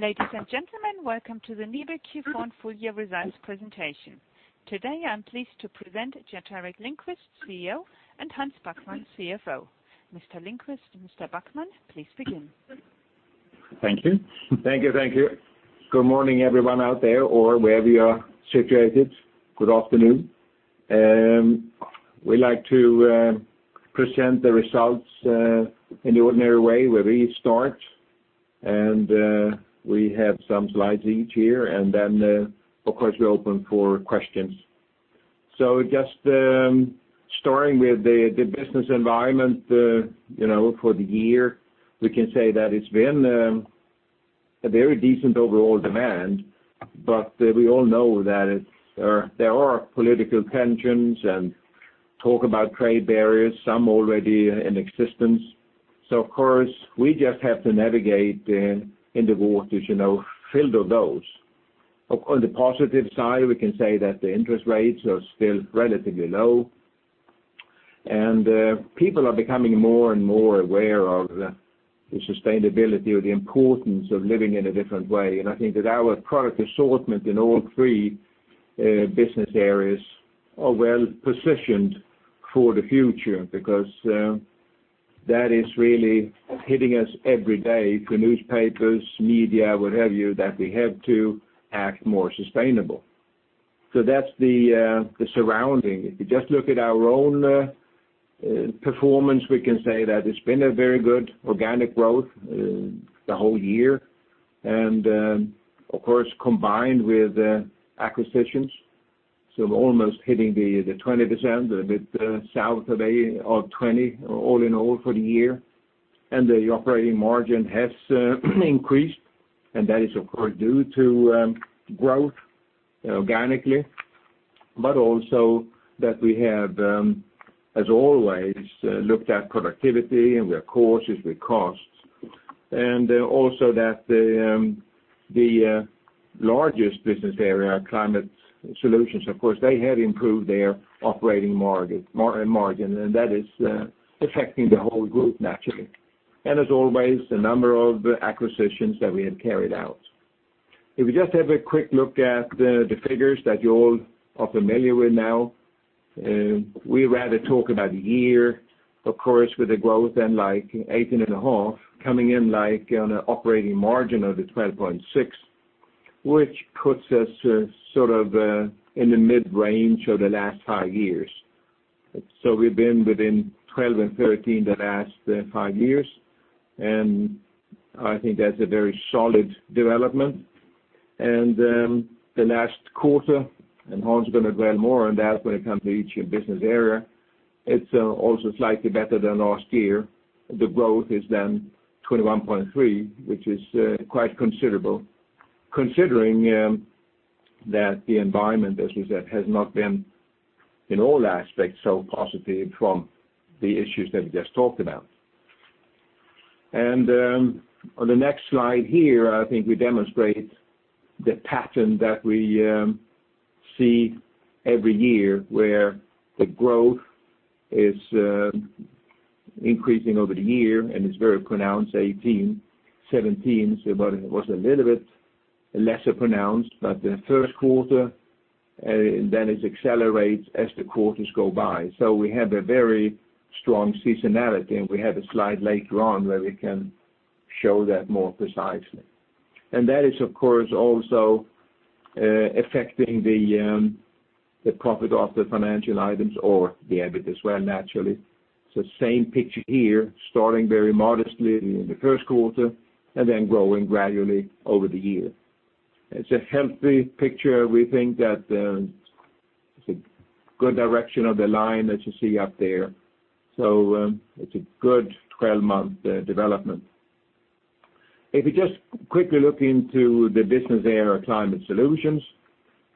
Ladies and gentlemen, welcome to the NIBE Q4 and full year results presentation. Today, I'm pleased to present Gerteric Lindquist, CEO, and Hans Backman, CFO. Mr. Lindquist, Mr. Backman, please begin. Thank you. Thank you. Good morning everyone out there, or wherever you are situated, good afternoon. We'd like to present the results in the ordinary way, where we start. We have some slides each here, and then, of course, we're open for questions. Just starting with the business environment for the year. We can say that it's been a very decent overall demand, but we all know that there are political tensions and talk about trade barriers, some already in existence. Of course, we just have to navigate in the waters filled of those. On the positive side, we can say that the interest rates are still relatively low. People are becoming more and more aware of the sustainability or the importance of living in a different way. I think that our product assortment in all three business areas are well-positioned for the future, because that is really hitting us every day through newspapers, media, what have you, that we have to act more sustainable. That's the surrounding. If you just look at our own performance, we can say that it's been a very good organic growth the whole year. Of course, combined with acquisitions, almost hitting the 20%, a bit south of odd 20%, all in all for the year. The operating margin has increased, that is, of course, due to growth organically, but also that we have, as always, looked at productivity and we're cautious with costs. Also that the largest business area, Climate Solutions, of course, they have improved their operating margin. That is affecting the whole group naturally. As always, the number of acquisitions that we have carried out. If you just have a quick look at the figures that you all are familiar with now. We rather talk about a year, of course, with growth of 18.5%, coming in on an operating margin of 12.6%, which puts us sort of in the mid-range of the last five years. We've been within 12% and 13% the last five years, and I think that's a very solid development. The last quarter, and Hans is going to dwell more on that when it comes to each business area, it's also slightly better than last year. The growth is then 21.3%, which is quite considerable, considering that the environment, as we said, has not been, in all aspects, so positive from the issues that we just talked about. On the next slide here, I think we demonstrate the pattern that we see every year, where the growth is increasing over the year, and it's very pronounced, 2018, 2017, it was a little bit lesser pronounced, but the first quarter, then it accelerates as the quarters go by. We have a very strong seasonality, and we have a slide later on where we can show that more precisely. That is, of course, also affecting the profit of the financial items or the EBIT as well, naturally. It's the same picture here, starting very modestly in the first quarter, and then growing gradually over the year. It's a healthy picture. We think that it's a good direction of the line that you see up there. It's a good 12-month development. If you just quickly look into the business area of Climate Solutions,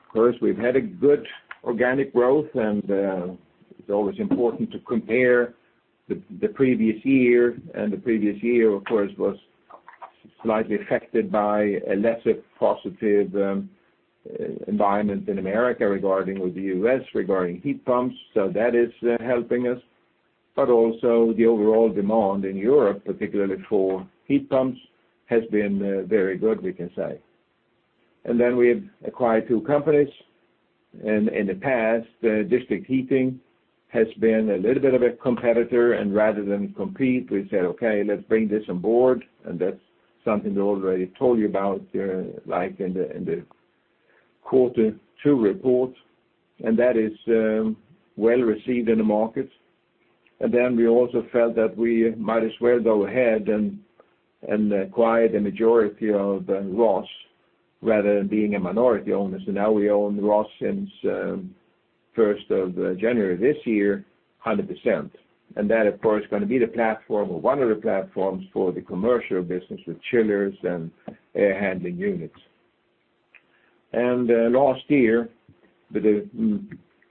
of course, we've had a good organic growth, and it's always important to compare the previous year. The previous year, of course, was slightly affected by a lesser positive environment in America regarding the U.S. regarding heat pumps. That is helping us. Also the overall demand in Europe, particularly for heat pumps, has been very good, we can say. We've acquired two companies. In the past, district heating has been a little bit of a competitor, and rather than compete, we said, "Okay, let's bring this on board." That's something we already told you about, like in the quarter two report. That is well-received in the market. We also felt that we might as well go ahead and acquire the majority of Rhoss rather than being a minority owner. Now we own Rhoss since January 1st this year, 100%. That, of course, is going to be the platform or one of the platforms for the commercial business with chillers and air handling units. Last year, with the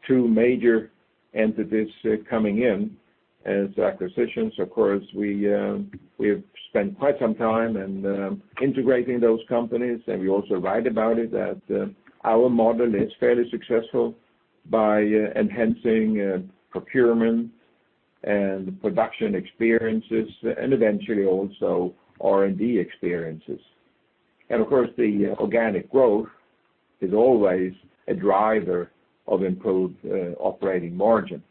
two major entities coming in as acquisitions, of course, we've spent quite some time in integrating those companies, and we also write about it that our model is fairly successful by enhancing procurement and production experiences, and eventually also R&D experiences. Of course, the organic growth is always a driver of improved operating margin.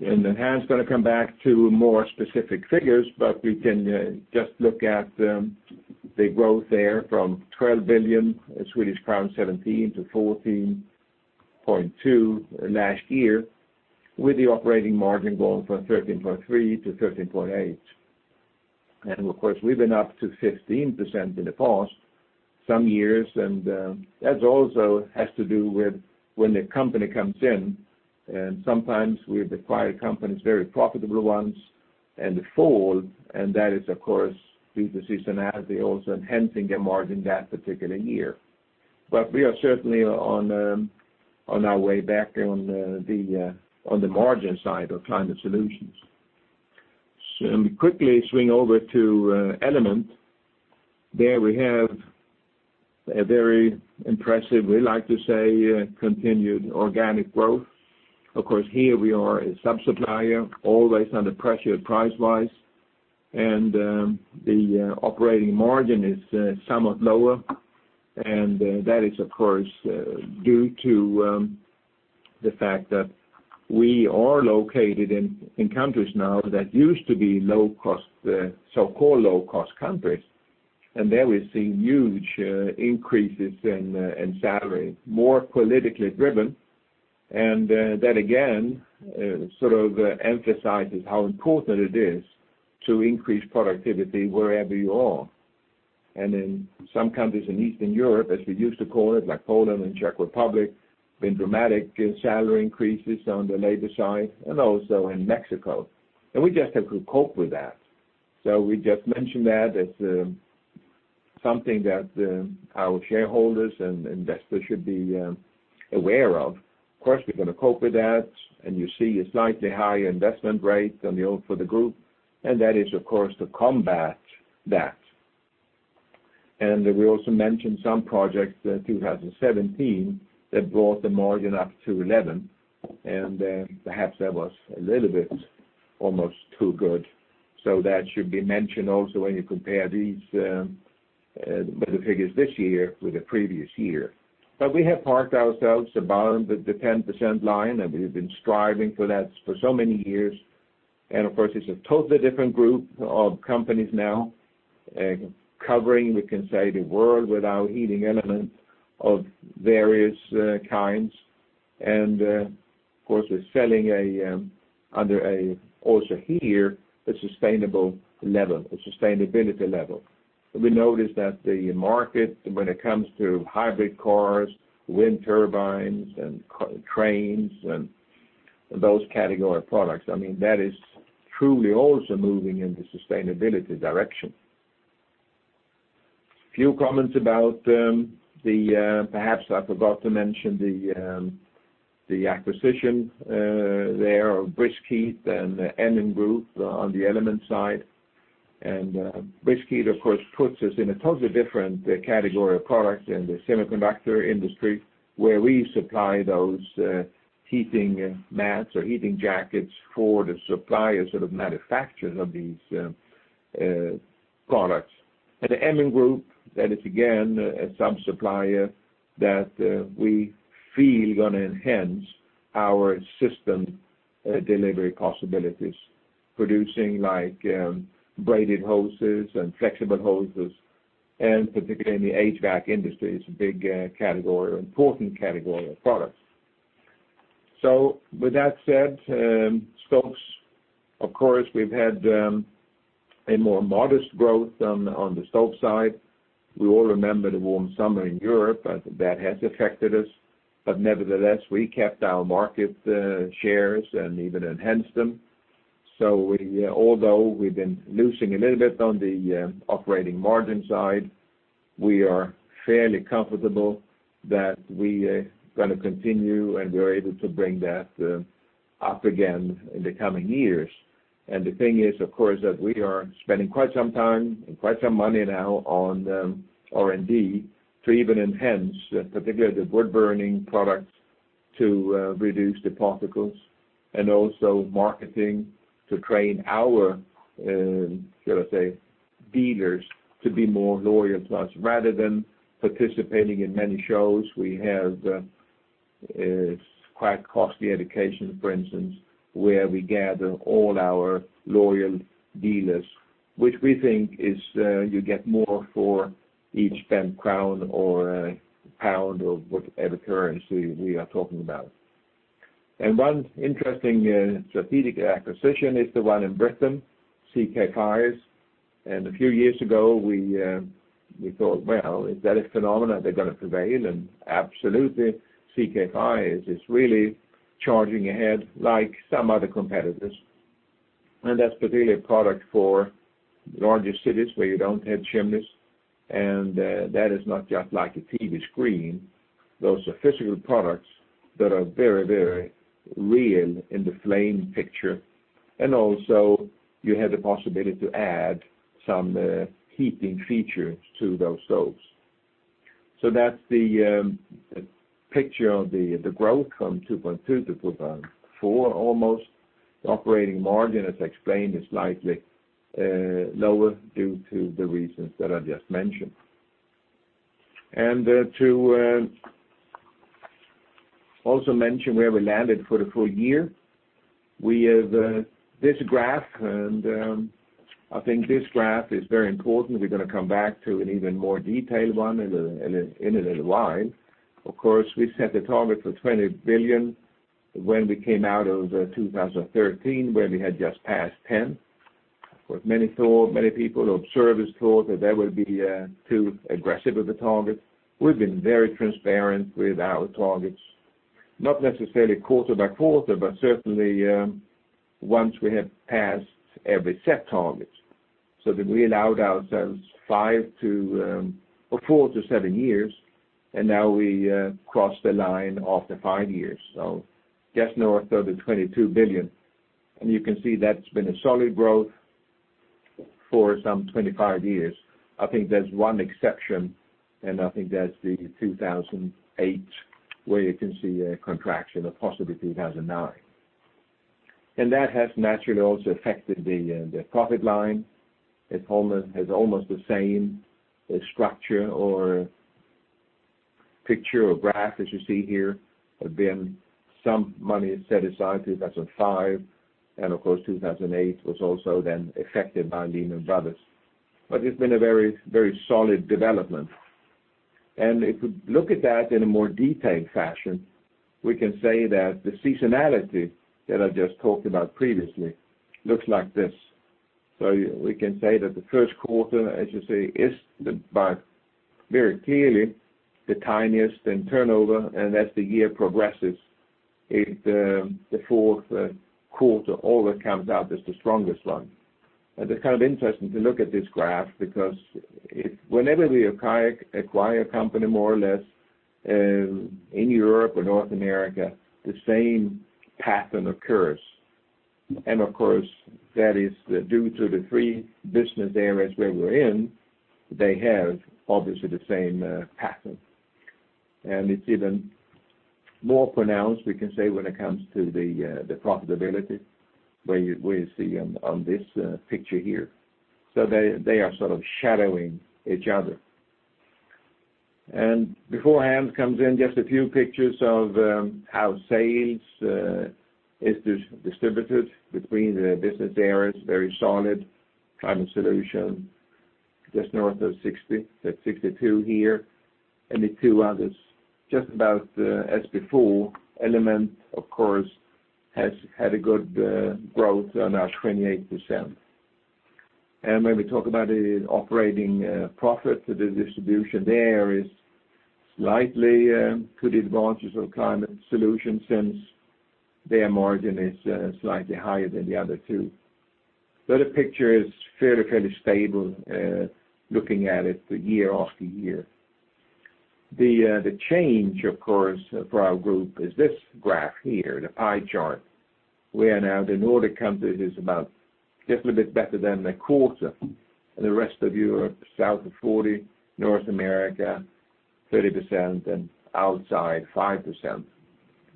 Hans is going to come back to more specific figures, but we can just look at the growth there from 12 billion Swedish crown 2017 to 14.2 billion last year, with the operating margin going from 13.3% to 13.8%. Of course, we've been up to 15% in the past some years, and that also has to do with when the company comes in. Sometimes we acquire companies, very profitable ones, and they fold. That is, of course, due to seasonality also enhancing the margin that particular year. We are certainly on our way back on the margin side of Climate Solutions. Let me quickly swing over to Element. There we have a very impressive, we like to say, continued organic growth. Of course, here we are a sub-supplier, always under pressure price-wise, and the operating margin is somewhat lower. That is, of course, due to the fact that we are located in countries now that used to be so-called low-cost countries. There we're seeing huge increases in salary, more politically driven. That, again, sort of emphasizes how important it is to increase productivity wherever you are. In some countries in Eastern Europe, as we used to call it, like Poland and Czech Republic, been dramatic salary increases on the labor side, and also in Mexico. We just have to cope with that. We just mention that as something that our shareholders and investors should be aware of. Of course, we're going to cope with that, and you see a slightly higher investment rate for the group. That is, of course, to combat that. We also mentioned some projects in 2017 that brought the margin up to 11%, and perhaps that was a little bit almost too good. That should be mentioned also when you compare these, the figures this year with the previous year. We have parked ourselves about the 10% line, and we've been striving for that for so many years. Of course, it's a totally different group of companies now, covering, we can say, the world with our heating elements of various kinds. Of course, we're selling, also here, a sustainable level, a sustainability level. We notice that the market, when it comes to hybrid cars, wind turbines, and trains, and those category of products, that is truly also moving in the sustainability direction. A few comments about the, perhaps I forgot to mention the acquisition there of BriskHeat and the EMIN Group on the Element side. BriskHeat, of course, puts us in a totally different category of products in the semiconductor industry, where we supply those heating mats or heating jackets for the suppliers that have manufactured these products. The EMIN Group, that is again, a sub-supplier that we feel is going to enhance our system delivery possibilities, producing braided hoses and flexible hoses. Particularly in the HVAC industry, it's a big category or important category of products. With that said, Stoves. Of course, we've had a more modest growth on the Stove side. We all remember the warm summer in Europe, and that has affected us. Nevertheless, we kept our market shares and even enhanced them. Although we've been losing a little bit on the operating margin side, we are fairly comfortable that we are going to continue, and we are able to bring that up again in the coming years. The thing is, of course, that we are spending quite some time and quite some money now on R&D to even enhance, particularly the wood-burning products, to reduce the particles. Also marketing to train our, should I say, dealers to be more loyal to us. Rather than participating in many shows, we have a quite costly education, for instance, where we gather all our loyal dealers, which we think you get more for each spent crown or pound or whatever currency we are talking about. One interesting strategic acquisition is the one in Britain, CK Fires. A few years ago, we thought, well, is that a phenomenon? They're going to prevail? Absolutely, CK Fires is really charging ahead like some other competitors. That's particularly a product for larger cities where you don't have chimneys. That is not just like a TV screen. Those are physical products that are very, very real in the flame picture. Also, you have the possibility to add some heating features to those stoves. So that's the picture of the growth from 2002-2004 almost. Operating margin, as explained, is slightly lower due to the reasons that I just mentioned. To also mention where we landed for the full year, we have this graph, and I think this graph is very important. We're going to come back to an even more detailed one in a little while. Of course, we set the target for 20 billion when we came out of 2013, where we had just passed 10 billion. Of course, many people or observers thought that that would be too aggressive of a target. We've been very transparent with our targets, not necessarily quarter by quarter, but certainly once we have passed every set target, so that we allowed ourselves four to seven years, and now we crossed the line after five years. Just north of 22 billion. You can see that's been a solid growth for some 25 years. I think there's one exception, and I think that's the 2008, where you can see a contraction, or possibly 2009. That has naturally also affected the profit line. It has almost the same structure or picture or graph as you see here. There's been some money set aside, 2005, and of course, 2008 was also then affected by Lehman Brothers. It's been a very solid development. If you look at that in a more detailed fashion, we can say that the seasonality that I just talked about previously looks like this. We can say that the first quarter, as you see, is by very clearly the tiniest in turnover, and as the year progresses, the fourth quarter always comes out as the strongest one. It's kind of interesting to look at this graph, because whenever we acquire a company, more or less, in Europe or North America, the same pattern occurs. Of course, that is due to the three business areas where we're in, they have obviously the same pattern. It's even more pronounced, we can say, when it comes to the profitability where you see on this picture here. They are sort of shadowing each other. Before Hans comes in, just a few pictures of how sales is distributed between the business areas, very solid. Climate Solutions, just north of 60%, that's 62% here. The two others, just about as before. Element, of course, has had a good growth, now 28%. When we talk about the operating profit, the distribution there is slightly to the advantage of Climate Solutions since their margin is slightly higher than the other two. The picture is fairly stable looking at it year after year. The change, of course, for our group is this graph here, the pie chart, where now the Nordic countries is about just a little bit better than a quarter. The rest of Europe, south of 40%, North America, 30%, and outside, 5%.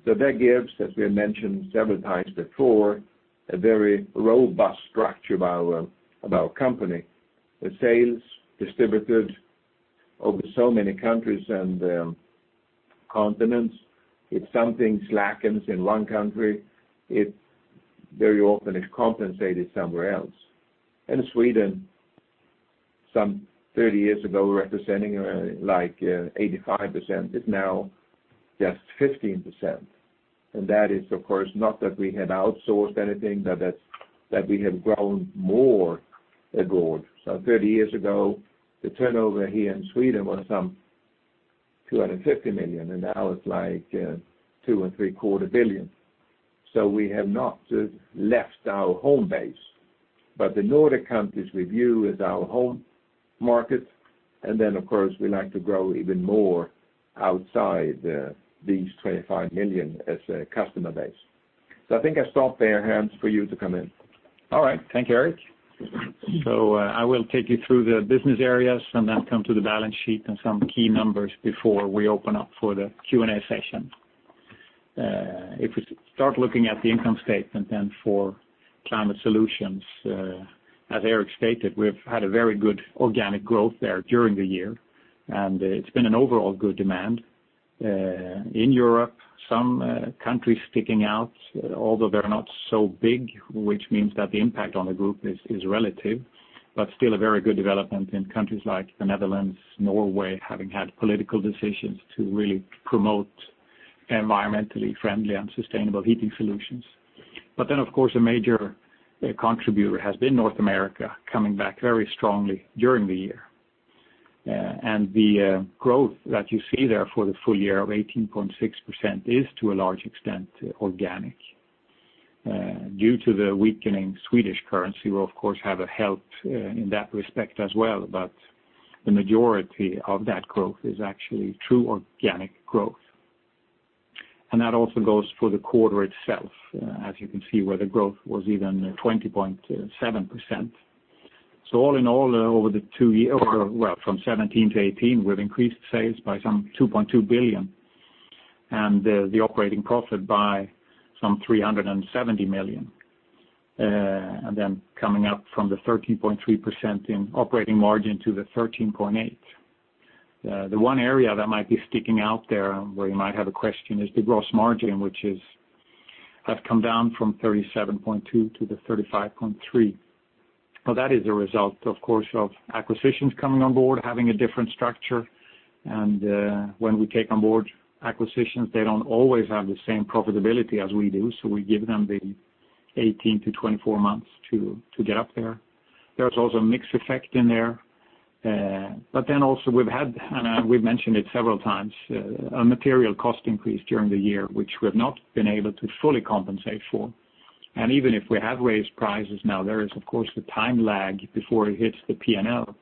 That gives, as we have mentioned several times before, a very robust structure of our company, with sales distributed over so many countries and continents. If something slackens in one country, very often it is compensated somewhere else. Sweden, some 30 years ago, representing like 85%, is now just 15%. That is, of course, not that we have outsourced anything, that we have grown more abroad. 30 years ago, the turnover here in Sweden was some 250 million, and now it's like 2.75 billion. We have not left our home base. The Nordic countries we view as our home market, and then, of course, we like to grow even more outside these 25 million as a customer base. I think I stop there, Hans, for you to come in. All right. Thank you, Eric. I will take you through the business areas and then come to the balance sheet and some key numbers before we open up for the Q&A session. If we start looking at the income statement for Climate Solutions, as Eric stated, we have had a very good organic growth there during the year, and it has been an overall good demand. In Europe, some countries sticking out, although they are not so big, which means that the impact on the group is relative, but still a very good development in countries like the Netherlands, Norway, having had political decisions to really promote environmentally friendly and sustainable heating solutions. Of course, a major contributor has been North America coming back very strongly during the year. The growth that you see there for the full year of 18.6% is to a large extent organic. Due to the weakening Swedish currency, we will of course have a help in that respect as well, but the majority of that growth is actually true organic growth. That also goes for the quarter itself, as you can see where the growth was even 20.7%. All in all, from 2017-2018, we have increased sales by some 2.2 billion, and the operating profit by some 370 million. Coming up from the 13.3% in operating margin to the 13.8%. The one area that might be sticking out there, where you might have a question, is the gross margin, which has come down from 37.2% to the 35.3%. That is a result, of course, of acquisitions coming on board, having a different structure. When we take on board acquisitions, they don't always have the same profitability as we do, so we give them the 18-24 months to get up there. There's also a mix effect in there. Also we've had, we've mentioned it several times, a material cost increase during the year, which we've not been able to fully compensate for. Even if we have raised prices now, there is, of course, the time lag before it hits the P&L,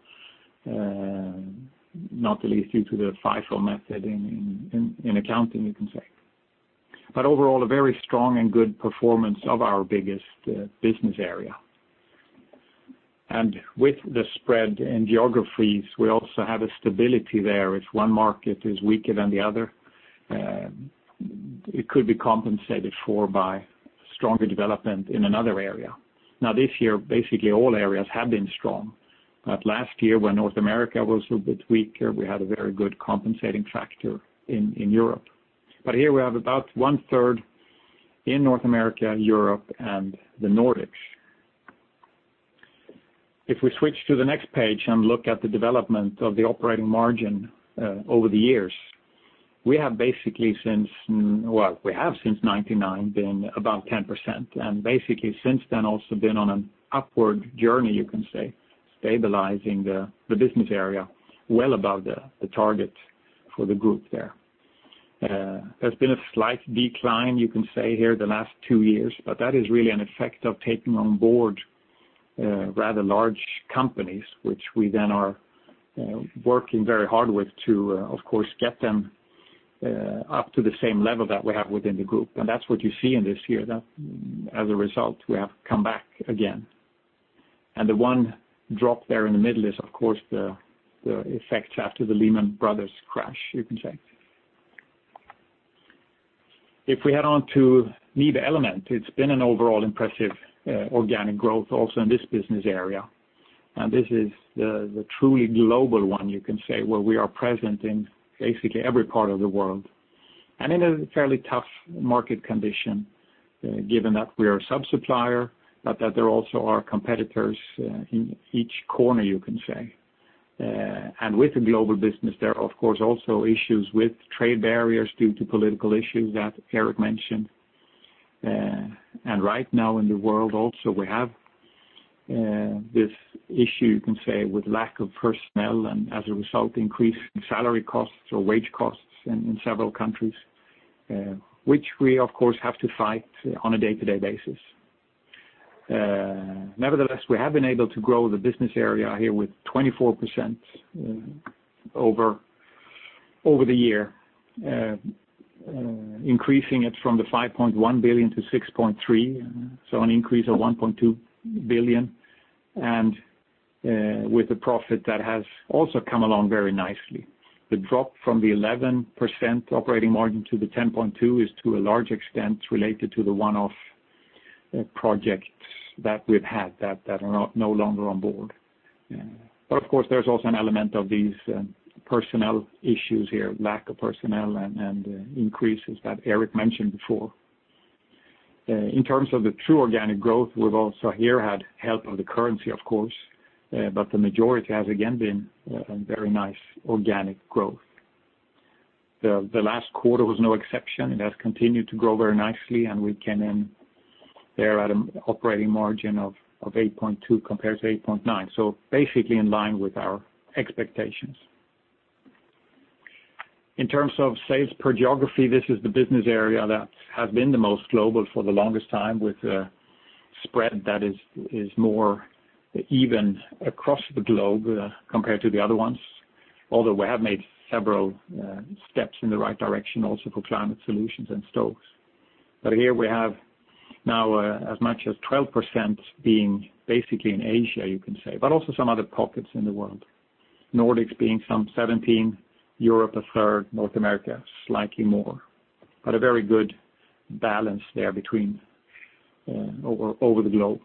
not at least due to the FIFO method in accounting, you can say. Overall, a very strong and good performance of our biggest business area. With the spread in geographies, we also have a stability there. If one market is weaker than the other, it could be compensated for by stronger development in another area. This year, basically all areas have been strong, Last year, when North America was a bit weaker, we had a very good compensating factor in Europe. Here we have about one-third in North America, Europe, and the Nordics. If we switch to the next page and look at the development of the operating margin over the years, we have since 1999 been about 10%, basically since then also been on an upward journey, you can say, stabilizing the business area well above the target for the group there. There's been a slight decline, you can say here, the last two years, but that is really an effect of taking on board rather large companies, which we then are working very hard with to, of course, get them up to the same level that we have within the group. That's what you see in this year, that as a result, we have come back again. The one drop there in the middle is, of course, the effect after the Lehman Brothers crash, you can say. If we head on to NIBE Element, it's been an overall impressive organic growth also in this business area. This is the truly global one, you can say, where we are present in basically every part of the world. In a fairly tough market condition, given that we are a sub-supplier, that there also are competitors in each corner, you can say. With the global business, there are of course, also issues with trade barriers due to political issues that Eric mentioned. Right now in the world also, we have this issue, you can say, with lack of personnel and as a result, increase in salary costs or wage costs in several countries, which we of course, have to fight on a day-to-day basis. Nevertheless, we have been able to grow the business area here with 24% over the year, increasing it from 5.1 billion to 6.3 billion. An increase of 1.2 billion, with a profit that has also come along very nicely. The drop from the 11% operating margin to the 10.2% is to a large extent related to the one-off projects that we've had that are no longer on board. Of course, there's also an element of these personnel issues here, lack of personnel and increases that Eric mentioned before. In terms of the true organic growth, we've also here had help of the currency, of course, but the majority has again been a very nice organic growth. The last quarter was no exception. It has continued to grow very nicely, and we came in there at an operating margin of 8.2% compares to 8.9%, so basically in line with our expectations. In terms of sales per geography, this is the business area that has been the most global for the longest time with a spread that is more even across the globe compared to the other ones, although we have made several steps in the right direction also for Climate Solutions and Stoves. Here we have now as much as 12% being basically in Asia, you can say, but also some other pockets in the world. Nordics being some 17%, Europe a third, North America slightly more. A very good balance there over the globe.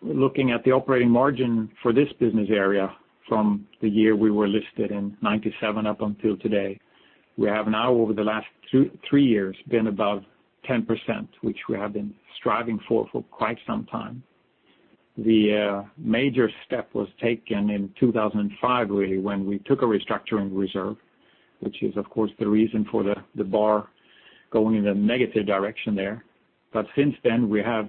Looking at the operating margin for this business area from the year we were listed in 1997 up until today, we have now over the last three years been above 10%, which we have been striving for quite some time. The major step was taken in 2005, really, when we took a restructuring reserve, which is, of course, the reason for the bar going in a negative direction there. Since then, we have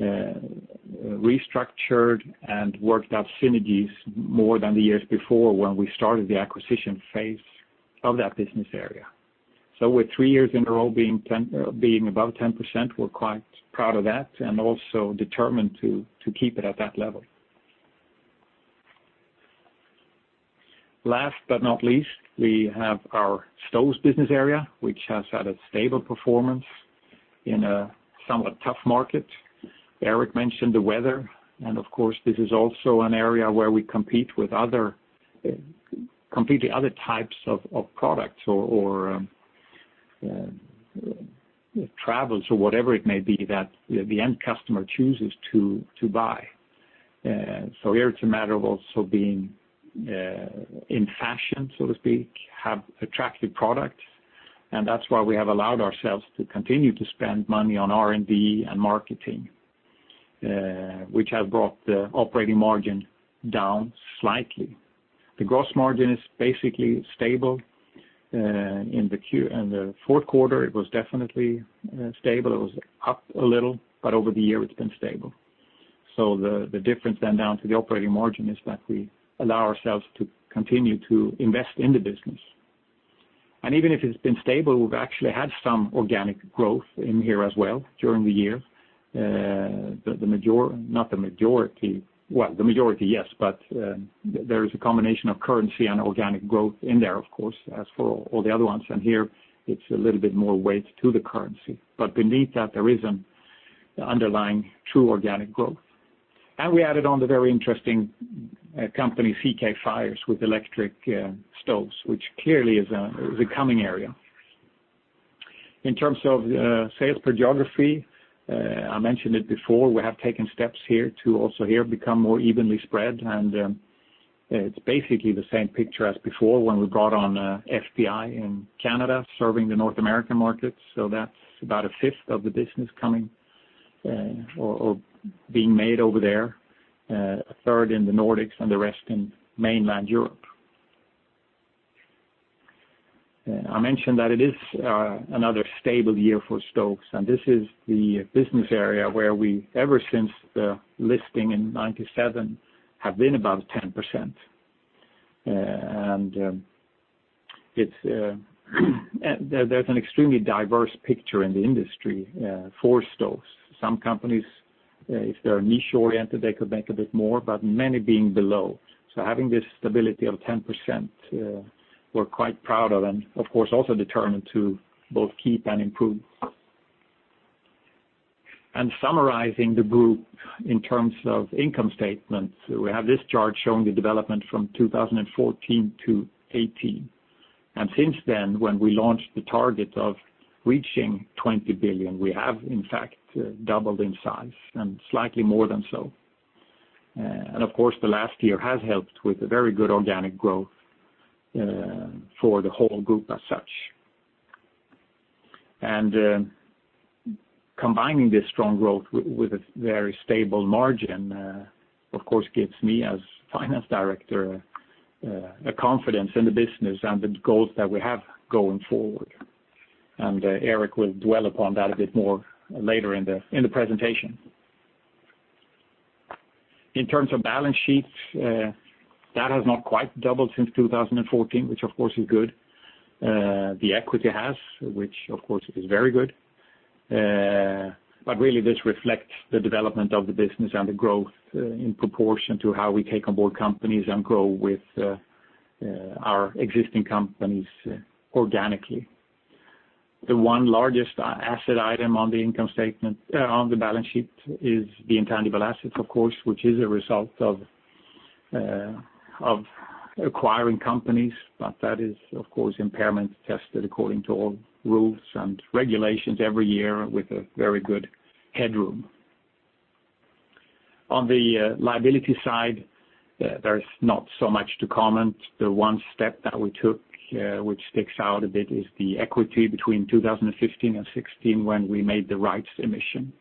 restructured and worked out synergies more than the years before when we started the acquisition phase of that business area. With three years in a row being above 10%, we're quite proud of that and also determined to keep it at that level. Last but not least, we have our Stoves business area, which has had a stable performance in a somewhat tough market. Eric mentioned the weather, and of course, this is also an area where we compete with completely other types of products or travels or whatever it may be that the end customer chooses to buy. Here it's a matter of also being in fashion, so to speak, have attractive products, and that's why we have allowed ourselves to continue to spend money on R&D and marketing, which has brought the operating margin down slightly. The gross margin is basically stable. In the fourth quarter, it was definitely stable. It was up a little, but over the year it's been stable. The difference then down to the operating margin is that we allow ourselves to continue to invest in the business. Even if it's been stable, we've actually had some organic growth in here as well during the year. The majority, yes, there is a combination of currency and organic growth in there, of course, as for all the other ones, and here it's a little bit more weight to the currency, but beneath that there is an underlying true organic growth. We added on the very interesting company, CK Fires, with electric stoves, which clearly is a coming area. In terms of sales per geography, I mentioned it before, we have taken steps here to also here become more evenly spread. It is basically the same picture as before when we brought on FPI in Canada serving the North American market. That is about a fifth of the business coming or being made over there, a third in the Nordics, and the rest in mainland Europe. I mentioned that it is another stable year for stoves, and this is the business area where we, ever since the listing in 1997, have been above 10%. There is an extremely diverse picture in the industry for stoves. Some companies, if they are niche-oriented, they could make a bit more, but many being below. Having this stability of 10%, we are quite proud of and, of course, also determined to both keep and improve. Summarizing the group in terms of income statements, we have this chart showing the development from 2014-2018. Since then, when we launched the target of reaching 20 billion, we have in fact doubled in size and slightly more than so. Of course, the last year has helped with a very good organic growth for the whole group as such. Combining this strong growth with a very stable margin, of course, gives me, as finance director, a confidence in the business and the goals that we have going forward. Eric will dwell upon that a bit more later in the presentation. In terms of balance sheets, that has not quite doubled since 2014, which of course is good. The equity has, which of course is very good. This really reflects the development of the business and the growth in proportion to how we take on board companies and grow with our existing companies organically. The one largest asset item on the balance sheet is the intangible assets, of course, which is a result of acquiring companies, but that is, of course, impairment tested according to all rules and regulations every year with a very good headroom. On the liability side, there is not so much to comment. The one step that we took, which sticks out a bit, is the equity between 2015 and 2016 when we made the rights emission.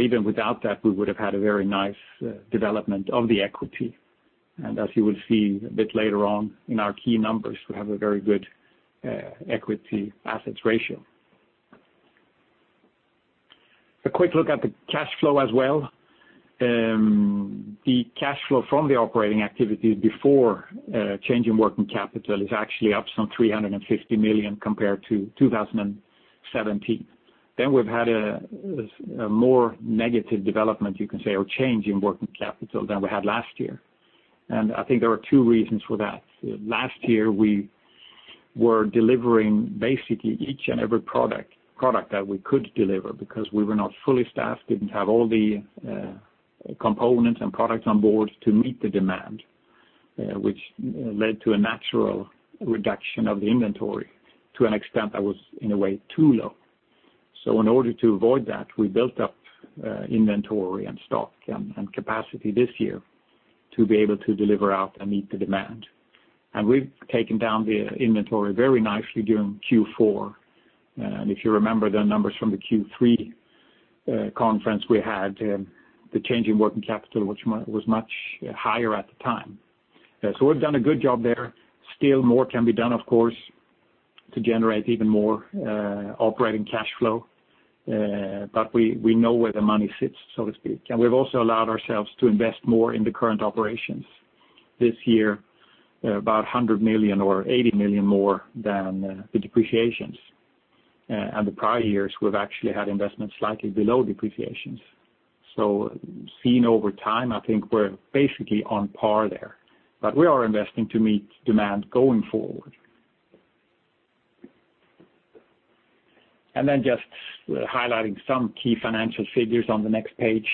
Even without that, we would have had a very nice development of the equity. As you will see a bit later on in our key numbers, we have a very good equity assets ratio. A quick look at the cash flow as well. The cash flow from the operating activities before change in working capital is actually up some 350 million compared to 2017. We have had a more negative development, you can say, or change in working capital than we had last year. I think there are two reasons for that. Last year, we were delivering basically each and every product that we could deliver because we were not fully staffed, didn't have all the components and products on board to meet the demand, which led to a natural reduction of the inventory to an extent that was, in a way, too low. In order to avoid that, we built up inventory and stock and capacity this year to be able to deliver out and meet the demand. We have taken down the inventory very nicely during Q4. If you remember the numbers from the Q3 conference we had, the change in working capital was much higher at the time. We've done a good job there. Still, more can be done, of course, to generate even more operating cash flow. We know where the money sits, so to speak. We've also allowed ourselves to invest more in the current operations this year, about 100 million or 80 million more than the depreciations. The prior years, we've actually had investments slightly below depreciations. Seen over time, I think we're basically on par there. We are investing to meet demand going forward. Just highlighting some key financial figures on the next page.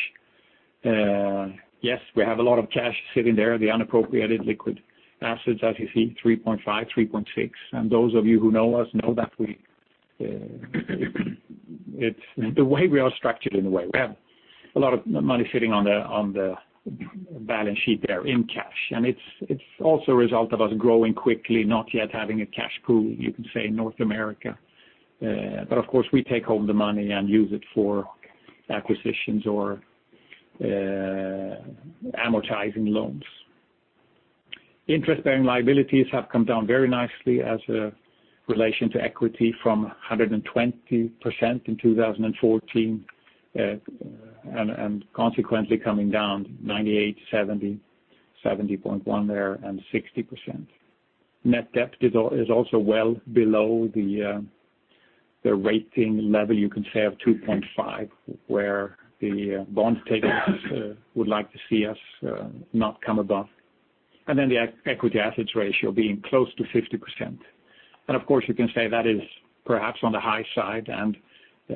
Yes, we have a lot of cash sitting there, the unappropriated liquid assets, as you see, 3.5 million, 3.6 million. Those of you who know us know that the way we are structured, in a way, we have a lot of money sitting on the balance sheet there in cash. It's also a result of us growing quickly, not yet having a cash pool, you could say, in North America. Of course, we take home the money and use it for acquisitions or amortizing loans. Interest-bearing liabilities have come down very nicely as a relation to equity from 120% in 2014, and consequently coming down 98%, 70.1%, and 60%. Net debt is also well below the rating level, you can say, of 2.5x, where the bond takers would like to see us not come above. The equity assets ratio being close to 50%. Of course, you can say that is perhaps on the high side, and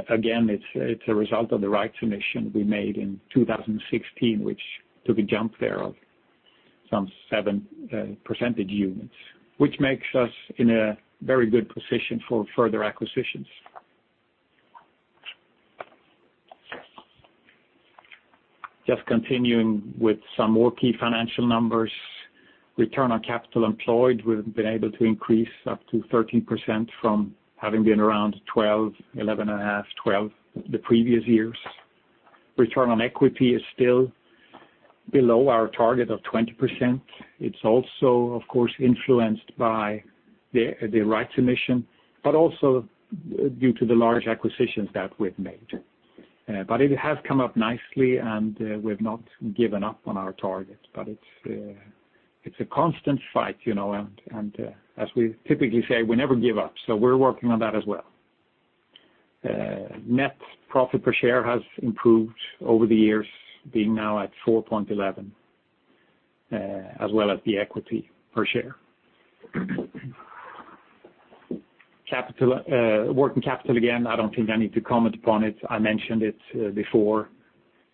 again, it's a result of the rights emission we made in 2016, which took a jump there of some 7 percentage units, which makes us in a very good position for further acquisitions. Just continuing with some more key financial numbers. Return on capital employed, we've been able to increase up to 13% from having been around 12%, 11.5%, 12% the previous years. Return on equity is still below our target of 20%. It's also, of course, influenced by the rights emission, but also due to the large acquisitions that we've made. It has come up nicely, and we've not given up on our target. It's a constant fight, and as we typically say, we never give up, we're working on that as well. Net profit per share has improved over the years, being now at 4.11, as well as the equity per share. Working capital, again, I don't think I need to comment upon it. I mentioned it before.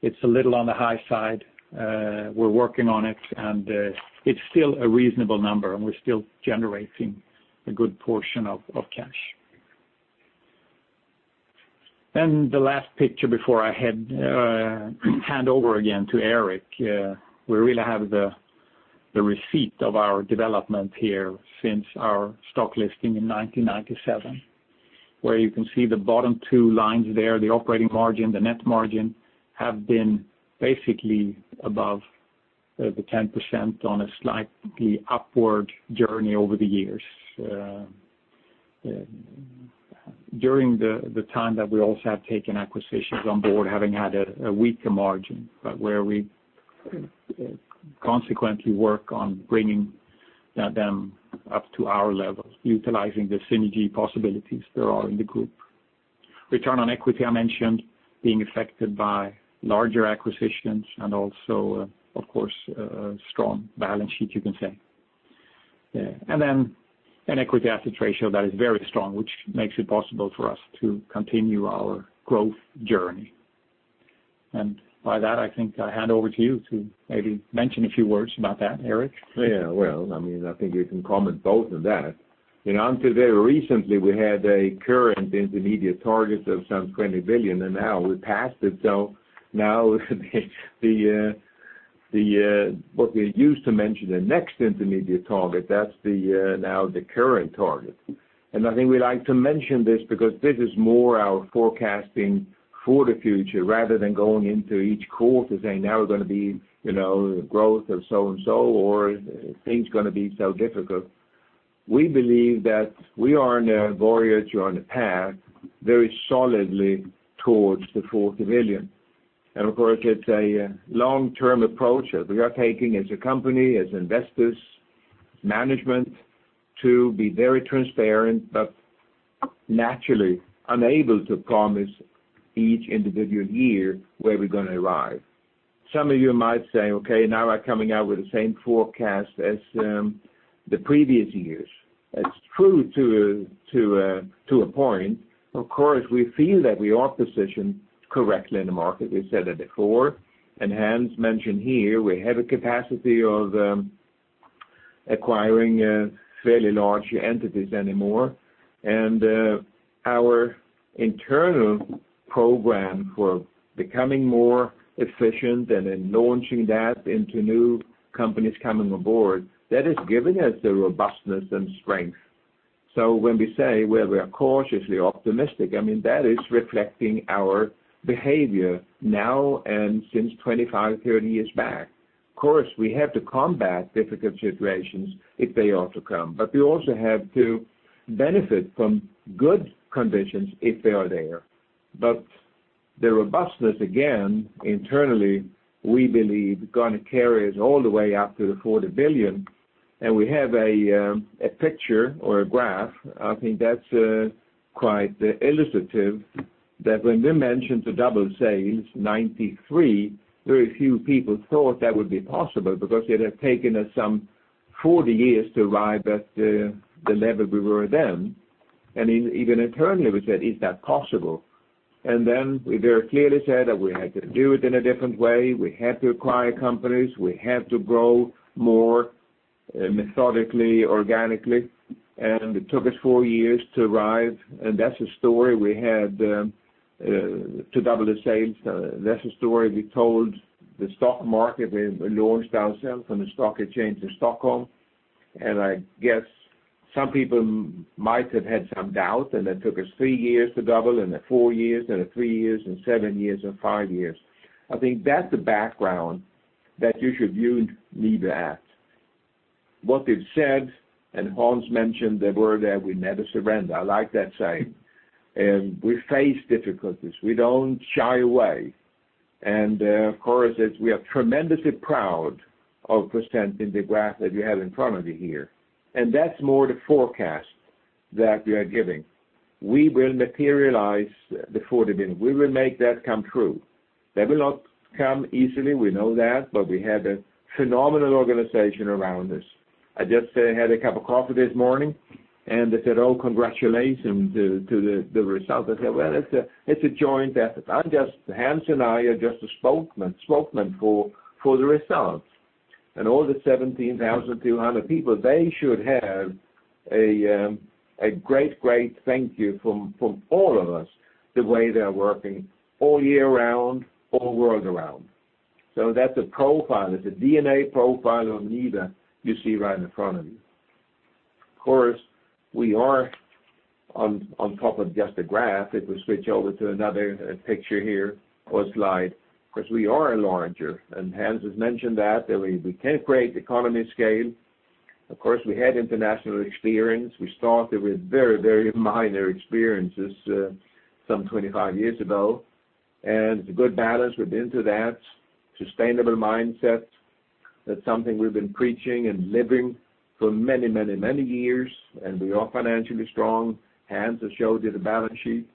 It's a little on the high side. We're working on it, and it's still a reasonable number, and we're still generating a good portion of cash. The last picture before I hand over again to Eric. We really have the receipt of our development here since our stock listing in 1997, where you can see the bottom two lines there, the operating margin, the net margin, have been basically above the 10% on a slightly upward journey over the years. During the time that we also have taken acquisitions on board, having had a weaker margin, but where we consequently work on bringing them up to our levels, utilizing the synergy possibilities there are in the group. Return on equity, I mentioned, being affected by larger acquisitions and also, of course, strong balance sheet, you can say. An equity asset ratio that is very strong, which makes it possible for us to continue our growth journey. By that, I think I hand over to you to maybe mention a few words about that, Eric. Well, I think we can comment both on that. Until very recently, we had a current intermediate target of some 20 billion, and now we passed it. Now, what we used to mention the next intermediate target, that's now the current target. I think we like to mention this because this is more our forecasting for the future rather than going into each quarter saying, "Now we're going to be growth of so and so," or, "Things are going to be so difficult." We believe that we are on a voyage or on a path very solidly towards 40 billion. Of course, it's a long-term approach that we are taking as a company, as investors, management, to be very transparent, but naturally unable to promise each individual year where we're going to arrive. Some of you might say, "Okay, now we're coming out with the same forecast as the previous years." It's true to a point. Of course, we feel that we are positioned correctly in the market. We said it before, Hans mentioned here we have a capacity of acquiring fairly large entities anymore. Our internal program for becoming more efficient and then launching that into new companies coming on board, that has given us the robustness and strength. When we say we are cautiously optimistic, that is reflecting our behavior now and since 25, 30 years back. Of course, we have to combat difficult situations if they are to come, but we also have to benefit from good conditions if they are there. The robustness, again, internally, we believe is going to carry us all the way up to 40 billion. We have a picture or a graph, I think that's quite illustrative, that when we mentioned to double sales, 1993, very few people thought that would be possible because it had taken us some 40 years to arrive at the level we were then. Even internally, we said, "Is that possible?" We very clearly said that we had to do it in a different way. We had to acquire companies. We had to grow more methodically, organically. It took us four years to arrive. That's a story we had to double the sales. That's a story we told the stock market. We launched ourselves on the stock exchange in Stockholm, and I guess some people might have had some doubt, it took us three years to double, four years, another three years, seven years, five years. I think that's the background that you should view NIBE at. What we've said, and Hans mentioned the word that we never surrender. I like that saying. We face difficulties. We don't shy away. Of course, as we are tremendously proud of presenting the graph that you have in front of you here, that's more the forecast that we are giving. We will materialize the 40 billion. We will make that come true. That will not come easily, we know that, but we have a phenomenal organization around us. I just had a cup of coffee this morning, and they said, "Oh, congratulations to the results." I said, "Well, it's a joint effort." Hans and I are just the spokesmen for the results. All the 17,200 people, they should have a great thank you from all of us, the way they're working all year round, all world around. That's a profile. It's a DNA profile of NIBE you see right in front of you. Of course, we are on top of just a graph. If we switch over to another picture here or slide, because we are larger, and Hans has mentioned that we can create economy of scale. Of course, we had international experience. We started with very, very minor experiences some 25 years ago, and a good balance, we've been through that. Sustainable mindset, that's something we've been preaching and living for many, many years, and we are financially strong. Hans has showed you the balance sheet.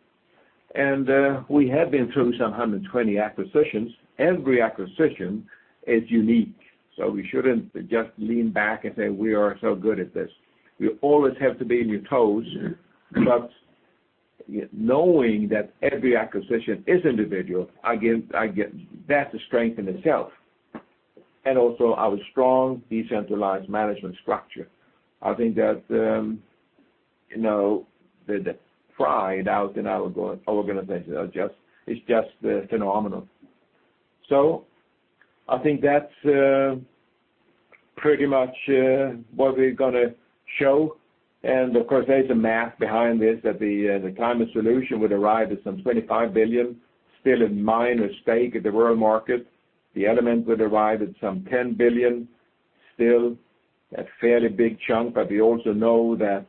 We have been through some 120 acquisitions. Every acquisition is unique, so we shouldn't just lean back and say we are so good at this. You always have to be on your toes. Knowing that every acquisition is individual, again, that's a strength in itself. Also our strong decentralized management structure. I think that the pride out in our organization is just phenomenal. I think that's pretty much what we're going to show. Of course, there's a math behind this that the Climate Solutions would arrive at some 25 billion, still a minor stake at the world market. The Element would arrive at some 10 billion, still a fairly big chunk, but we also know that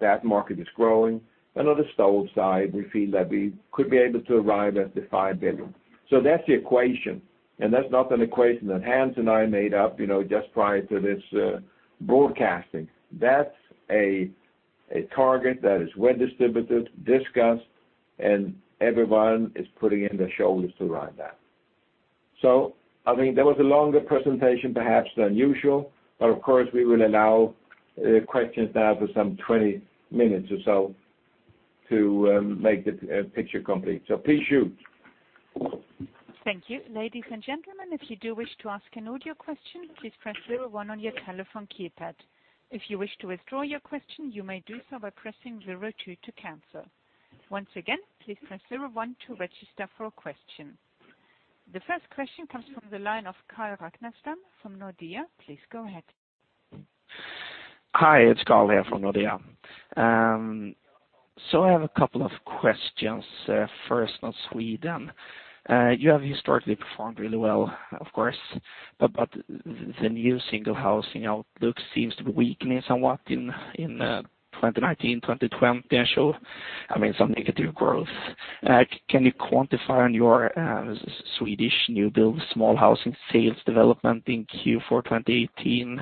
that market is growing. On the Stove side, we feel that we could be able to arrive at the 5 billion. That's the equation, that's not an equation that Hans and I made up just prior to this broadcasting. That's a target that is well distributed, discussed, and everyone is putting in their shoulders to arrive at. I think that was a longer presentation perhaps than usual, Of course, we will allow questions now for some 20 minutes or so to make the picture complete. Please shoot. Thank you. Ladies and gentlemen, if you do wish to ask an audio question, please press zero one on your telephone keypad. If you wish to withdraw your question, you may do so by pressing zero two to cancel. Once again, please press zero one to register for a question. The first question comes from the line of Carl Ragnerstam from Nordea. Please go ahead. Hi, it's Carl here from Nordea. I have a couple of questions. First on Sweden. You have historically performed really well, of course, but the new single housing outlook seems to be weakening somewhat in 2019, 2020, I show. I mean, some negative growth. Can you quantify on your Swedish new build small housing sales development in Q4 2018?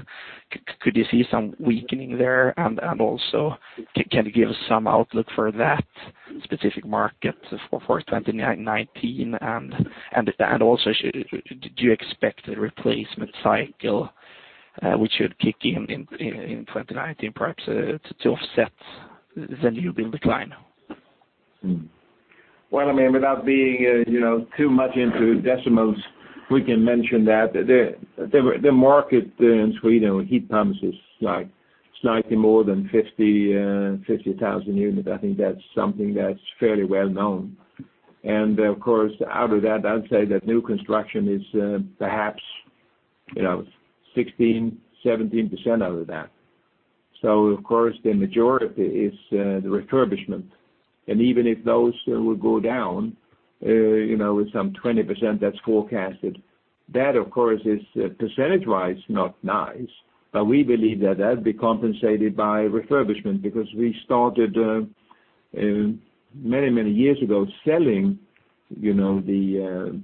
Could you see some weakening there? Can you give some outlook for that specific market for 2019? Do you expect a replacement cycle which would kick in 2019, perhaps, to offset the new build decline? Well, I mean, without being too much into decimals, we can mention that the market in Sweden with heat pumps is slightly more than 50,000 units. I think that's something that's fairly well known. Of course, out of that, I'd say that new construction is perhaps 16%-17% out of that. Of course, the majority is the refurbishment. Even if those will go down, with some 20% that's forecasted. That, of course, is percentage-wise not nice, but we believe that'll be compensated by refurbishment because we started, many years ago, selling the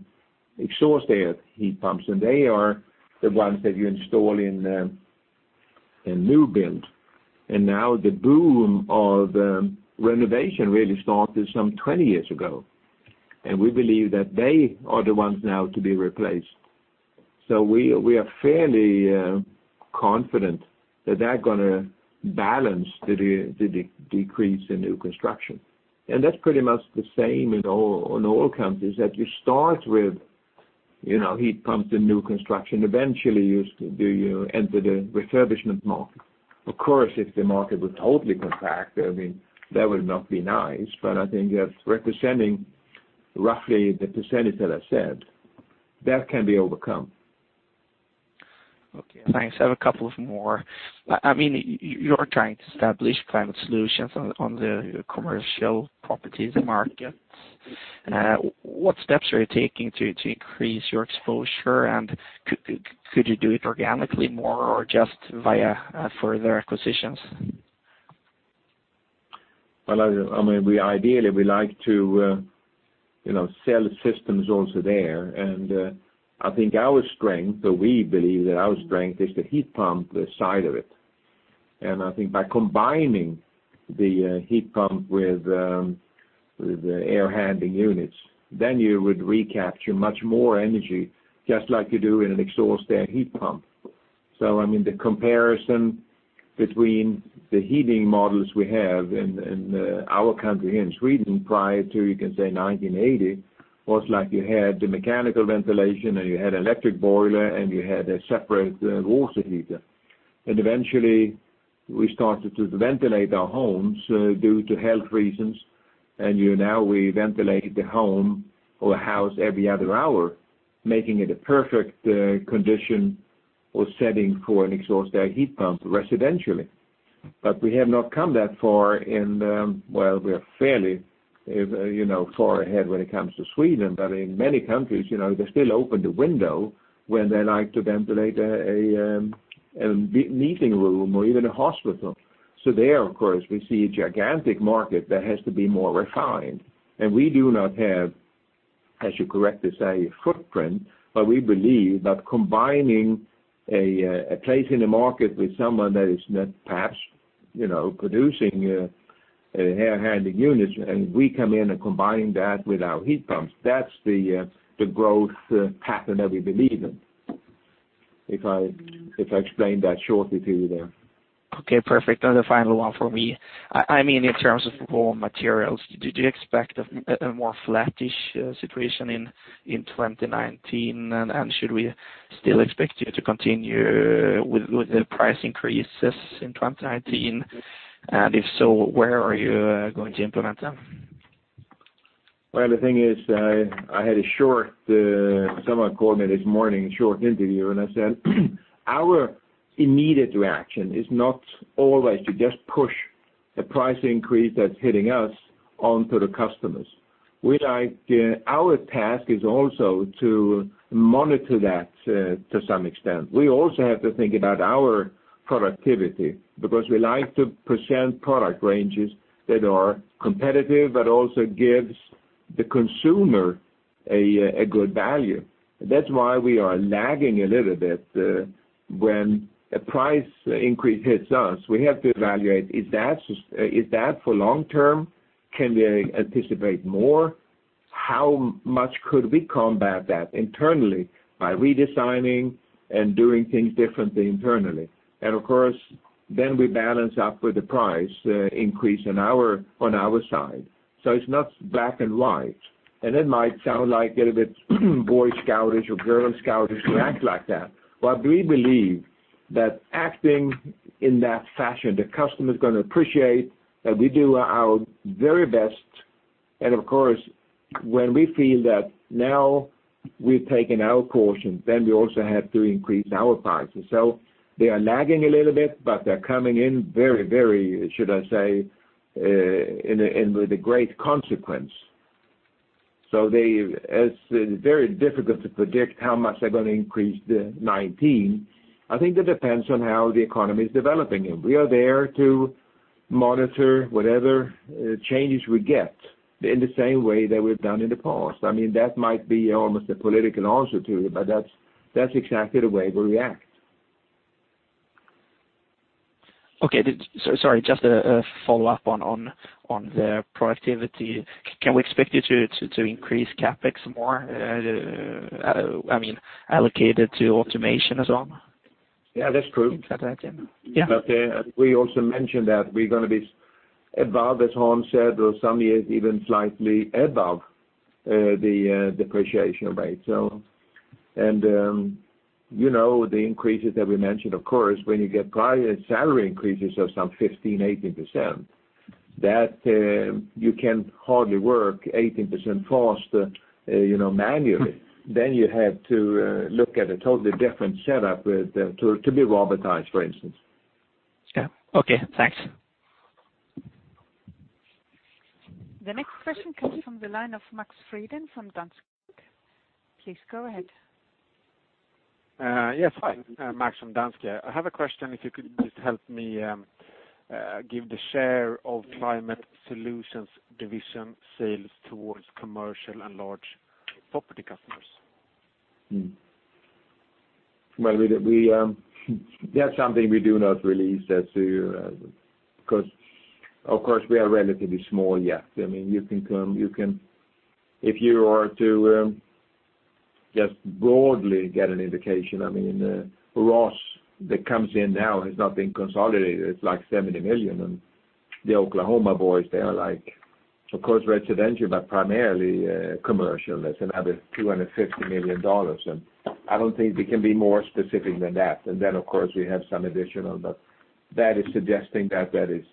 exhaust air heat pumps, and they are the ones that you install in a new build. Now the boom of renovation really started some 20 years ago, and we believe that they are the ones now to be replaced. We are fairly confident that they're going to balance the decrease in new construction. That's pretty much the same in all countries, that you start with heat pumps in new construction. Eventually, you enter the refurbishment market. Of course, if the market would totally contract, that would not be nice, I think that's representing roughly the percentage that I said. That can be overcome. Okay, thanks. I have a couple of more. You're trying to establish Climate Solutions on the commercial properties market. What steps are you taking to increase your exposure, could you do it organically more or just via further acquisitions? Ideally, we like to sell systems also there. I think our strength, or we believe that our strength is the heat pump, the side of it. I think by combining the heat pump with the air-handling units, then you would recapture much more energy, just like you do in an exhaust air heat pump. The comparison between the heating models we have in our country, in Sweden, prior to, you can say 1980, was like you had the mechanical ventilation, you had electric boiler, and you had a separate water heater. Eventually, we started to ventilate our homes due to health reasons. Now we ventilate the home or house every other hour, making it a perfect condition or setting for an exhaust air heat pump residentially. We have not come that far in, well, we're fairly far ahead when it comes to Sweden. In many countries, they still open the window when they like to ventilate a meeting room or even a hospital. There, of course, we see a gigantic market that has to be more refined. We do not have, as you correctly say, a footprint, but we believe that combining a place in the market with someone that is not perhaps producing air-handling units, we come in and combine that with our heat pumps. That's the growth pattern that we believe in. If I explained that shortly to you there. Okay, perfect. The final one from me. In terms of raw materials, did you expect a more flattish situation in 2019? Should we still expect you to continue with the price increases in 2019? If so, where are you going to implement them? Well, the thing is, I had a short, someone called me this morning, a short interview. I said, our immediate reaction is not always to just push the price increase that's hitting us on to the customers. Our task is also to monitor that to some extent. We also have to think about our productivity, because we like to present product ranges that are competitive but also gives the consumer a good value. That's why we are lagging a little bit. When a price increase hits us, we have to evaluate, is that for long term? Can we anticipate more? How much could we combat that internally by redesigning and doing things differently internally? Of course, then we balance up with the price increase on our side. It's not black and white. It might sound like a little bit Boy Scout-ish or Girl Scout-ish to act like that. We believe that acting in that fashion, the customer's going to appreciate that we do our very best. Of course, when we feel that now we've taken our portion, then we also have to increase our prices. They are lagging a little bit, but they're coming in very, should I say, in with a great consequence. It's very difficult to predict how much they're going to increase the 2019. I think that depends on how the economy is developing. We are there to monitor whatever changes we get in the same way that we've done in the past. That might be almost a political answer to you, that's exactly the way we react. Okay. Sorry, just a follow-up on the productivity. Can we expect you to increase CapEx more, allocated to automation as well? Yeah, that's true. Yeah. We also mentioned that we're going to be above, as Hans said, or some years even slightly above the depreciation rate. The increases that we mentioned, of course, when you get prior salary increases of some 15%-18%. You can hardly work 18% faster manually. You have to look at a totally different setup to be robotized, for instance. Yeah. Okay, thanks. The next question comes from the line of Max Frydén from Danske. Please go ahead. Yes. Hi, Max from Danske. I have a question, if you could just help me give the share of Climate Solutions division sales towards commercial and large property customers. Well, that's something we do not release as to, because, of course, we are relatively small yet. If you were to just broadly get an indication, Rhoss that comes in now has not been consolidated. It's like $70 million. The Oklahoma Boys, they are of course, residential, but primarily commercial. That's another $250 million. I don't think we can be more specific than that. Of course, we have some additional, but that is suggesting that is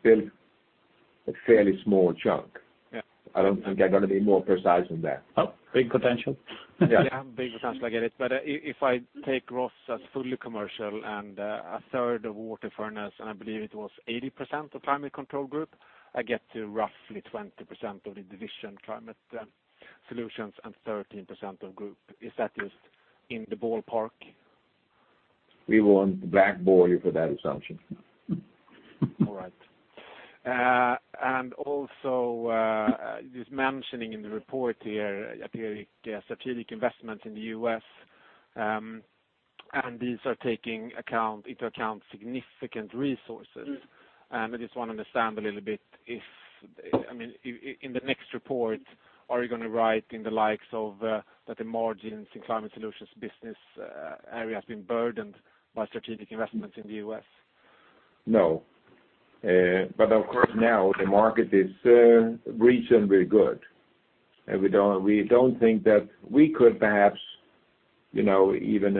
still a fairly small chunk. Yeah. I don't think I'm going to be more precise than that. Well, big potential. Yeah. Yeah. Big potential, I get it. If I take Rhoss as fully commercial and a third of WaterFurnace, and I believe it was 80% of Climate Control Group, I get to roughly 20% of the division Climate Solutions and 13% of Group. Is that just in the ballpark? We won't blackball you for that assumption. All right. Just mentioning in the report here, strategic investment in the U.S., and these are taking into account significant resources. I just want to understand a little bit, in the next report, are you going to write in the likes of that the margins in Climate Solutions business area has been burdened by strategic investments in the U.S.? No. Of course, now the market is reasonably good, and we don't think that we could perhaps even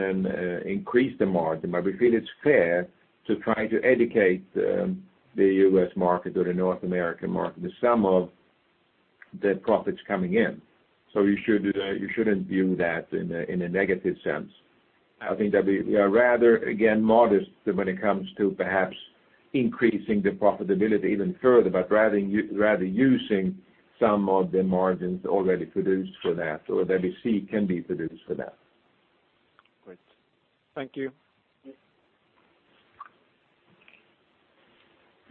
increase the margin. We feel it's fair to try to educate the U.S. market or the North American market, the sum of the profits coming in. You shouldn't view that in a negative sense. I think that we are rather, again, modest when it comes to perhaps increasing the profitability even further, but rather using some of the margins already produced for that, or that we see can be produced for that. Great. Thank you.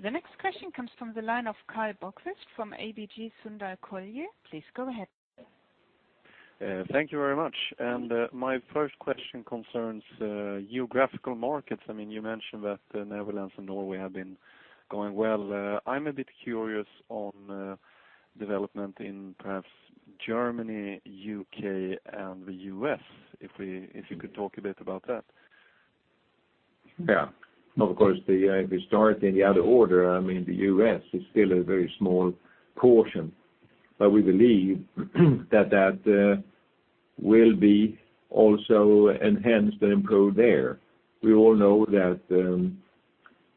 The next question comes from the line of Karl Bokvist from ABG Sundal Collier. Please go ahead. Thank you very much. My first question concerns geographical markets. You mentioned that the Netherlands and Norway have been going well. I'm a bit curious on development in perhaps Germany, U.K., and the U.S. If you could talk a bit about that. Of course, if we start in the other order, the U.S. is still a very small portion, but we believe that will be also enhanced and improved there. We all know that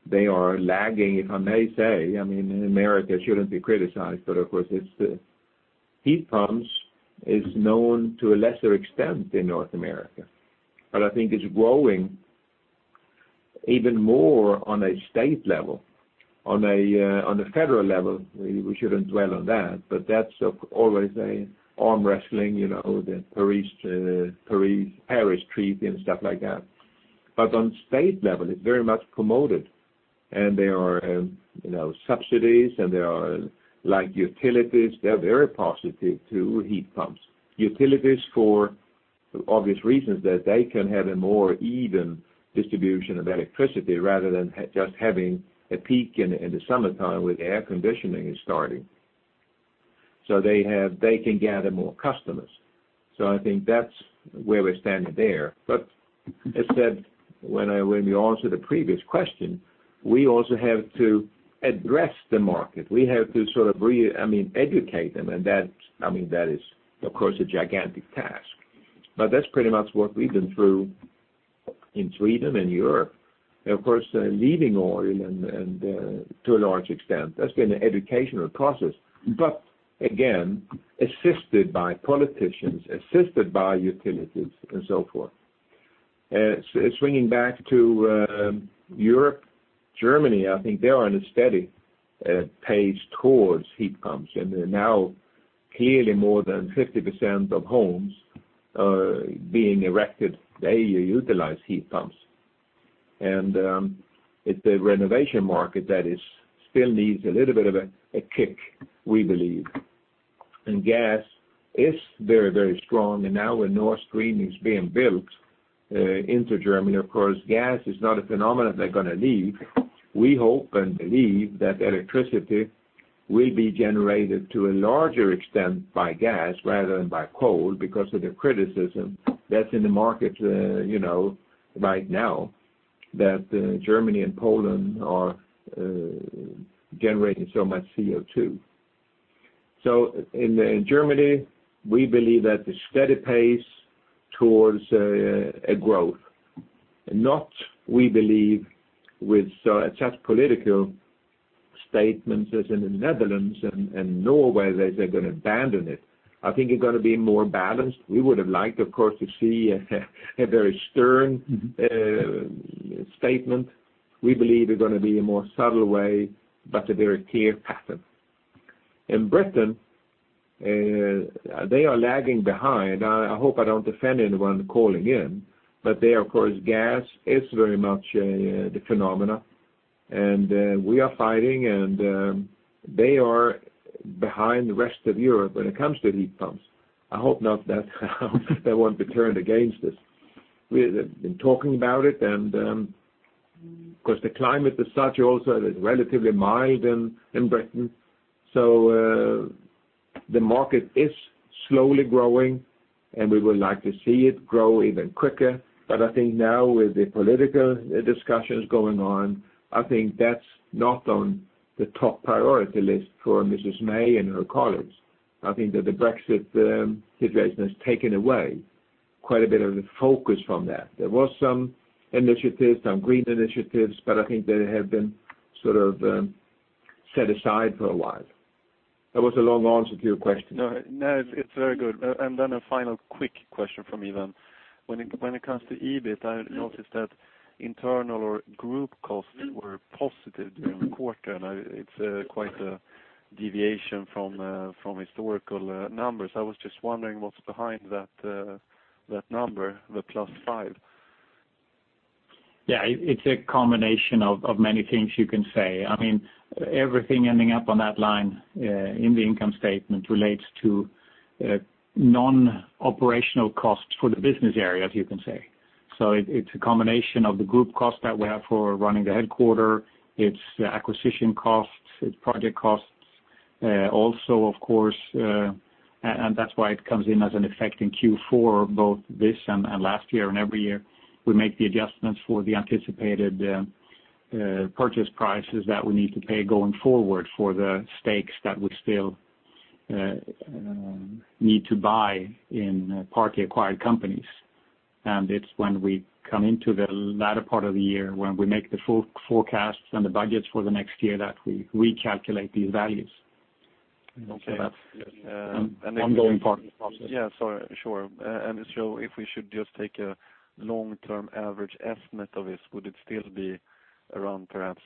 they are lagging, if I may say. America shouldn't be criticized, but of course, heat pumps is known to a lesser extent in North America. I think it's growing even more on a state level. On a federal level, we shouldn't dwell on that, but that's always an arm wrestling, the Paris Treaty and stuff like that. On state level, it's very much promoted. There are subsidies and there are utilities. They're very positive to heat pumps. Utilities, for obvious reasons, that they can have a more even distribution of electricity rather than just having a peak in the summertime when air conditioning is starting. They can gather more customers. I think that's where we're standing there. As said, when we answered the previous question, we also have to address the market. We have to sort of educate them, and that is, of course, a gigantic task. That's pretty much what we've been through in Sweden and Europe. Of course, leaving oil to a large extent, that's been an educational process. Again, assisted by politicians, assisted by utilities and so forth. Swinging back to Europe, Germany, I think they are on a steady pace towards heat pumps, and they're now clearly more than 50% of homes being erected, they utilize heat pumps. It's a renovation market that still needs a little bit of a kick, we believe. Gas is very, very strong. Now with Nord Stream is being built into Germany, of course, gas is not a phenomenon they're going to leave. We hope and believe that electricity will be generated to a larger extent by gas rather than by coal because of the criticism that's in the market right now that Germany and Poland are generating so much CO2. In Germany, we believe that the steady pace towards a growth, not we believe with such political statements as in the Netherlands and Norway, that they're going to abandon it. I think they're going to be more balanced. We would've liked, of course, to see a very stern statement. We believe they're going to be a more subtle way, but a very clear pattern. In Britain, they are lagging behind. I hope I don't offend anyone calling in, but there, of course, gas is very much the phenomena. We are fighting and they are behind the rest of Europe when it comes to heat pumps. I hope not that they won't be turned against us. We have been talking about it and, because the climate as such also is relatively mild in Britain. The market is slowly growing, and we would like to see it grow even quicker. I think now with the political discussions going on, I think that's not on the top priority list for Mrs. May and her colleagues. I think that the Brexit situation has taken away quite a bit of the focus from that. There were some initiatives, some green initiatives, but I think they have been sort of set aside for a while. That was a long answer to your question. It's very good. A final quick question from me then. When it comes to EBIT, I noticed that internal or group costs were positive during the quarter, and it's quite a deviation from historical numbers. I was just wondering what's behind that number, the +5 million. Yeah, it's a combination of many things you can say. Everything ending up on that line in the income statement relates to non-operational costs for the business areas, you can say. It's a combination of the group cost that we have for running the headquarter. It's acquisition costs, it's project costs. Also, of course, and that's why it comes in as an effect in Q4, both this and last year and every year. We make the adjustments for the anticipated purchase prices that we need to pay going forward for the stakes that we still need to buy in partly acquired companies. It's when we come into the latter part of the year, when we make the full forecasts and the budgets for the next year, that we recalculate these values. Okay. That's an ongoing part of the process. Yeah, sure. If we should just take a long-term average estimate of this, would it still be around perhaps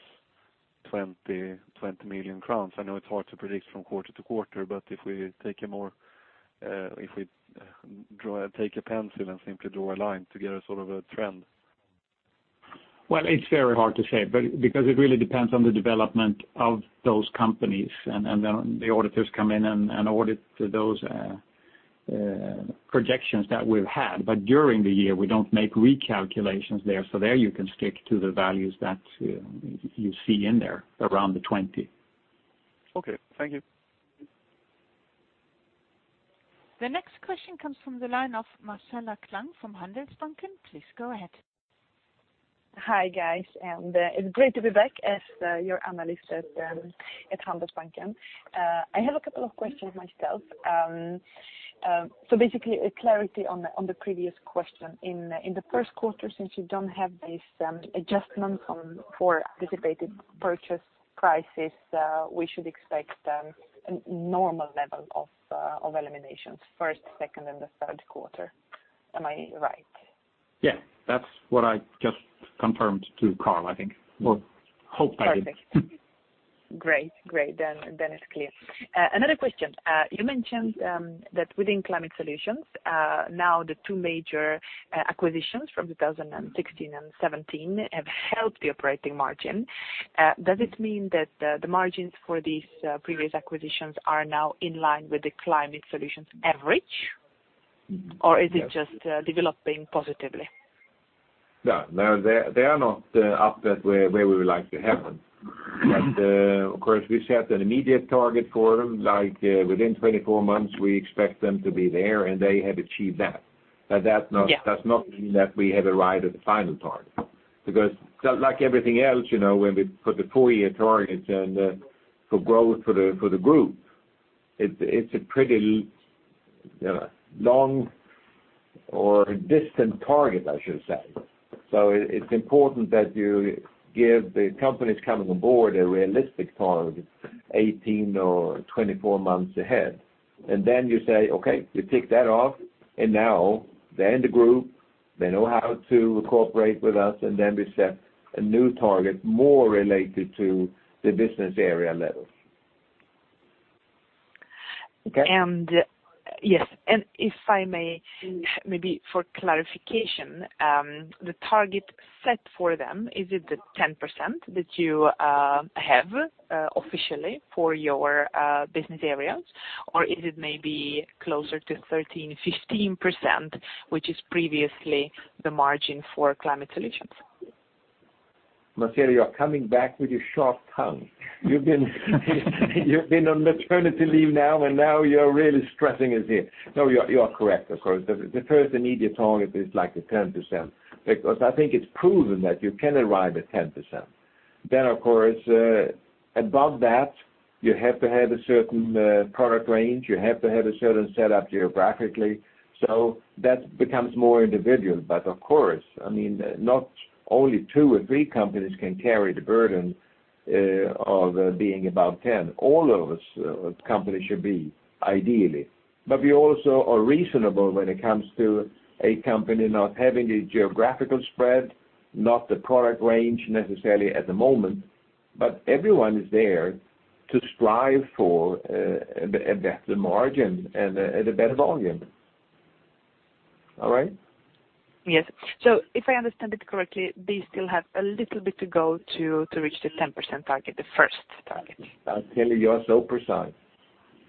20 million crowns? I know it's hard to predict from quarter to quarter, but if we take a pencil and simply draw a line together, sort of a trend. Well, it's very hard to say, because it really depends on the development of those companies and then the auditors come in and audit those projections that we've had. During the year, we don't make recalculations there. There you can stick to the values that you see in there around the 20 million. Okay. Thank you. The next question comes from the line of Marcela Klang from Handelsbanken. Please go ahead. Hi, guys, it's great to be back as your analyst at Handelsbanken. I have a couple of questions myself. Basically, clarity on the previous question. In the first quarter, since you don't have these adjustments for anticipated purchase prices, we should expect a normal level of eliminations first, second, and the third quarter. Am I right? Yeah. That's what I just confirmed to Karl, I think, or hope I did. Perfect. Great. It's clear. Another question. You mentioned that within Climate Solutions, now the two major acquisitions from 2016 and 2017 have helped the operating margin. Does it mean that the margins for these previous acquisitions are now in line with the Climate Solutions average, or is it just developing positively? No, they are not up that way we would like to have them. Of course, we set an immediate target for them, like within 24 months, we expect them to be there, and they have achieved that. That's not mean that we have arrived at the final target. Like everything else, when we put the four-year targets for growth for the group, it's a pretty long or distant target, I should say. It's important that you give the companies coming on board a realistic target 18 or 24 months ahead. You say, okay, we tick that off and now they're in the group, they know how to cooperate with us, and then we set a new target more related to the business area level. Yes, if I may, maybe for clarification, the target set for them, is it the 10% that you have officially for your business areas, or is it maybe closer to 13%, 15%, which is previously the margin for Climate Solutions? Marcela, you are coming back with your sharp tongue. You've been on maternity leave now, and now you are really stressing us here. You are correct, of course. The first immediate target is like a 10%, because I think it's proven that you can arrive at 10%. Of course, above that, you have to have a certain product range, you have to have a certain setup geographically. That becomes more individual. Of course, not only two or three companies can carry the burden of being above 10%. All of us companies should be, ideally. We also are reasonable when it comes to a company not having a geographical spread, not the product range necessarily at the moment, but everyone is there to strive for a better margin and a better volume. All right? Yes. If I understand it correctly, they still have a little bit to go to reach the 10% target, the first target. I tell you are so precise.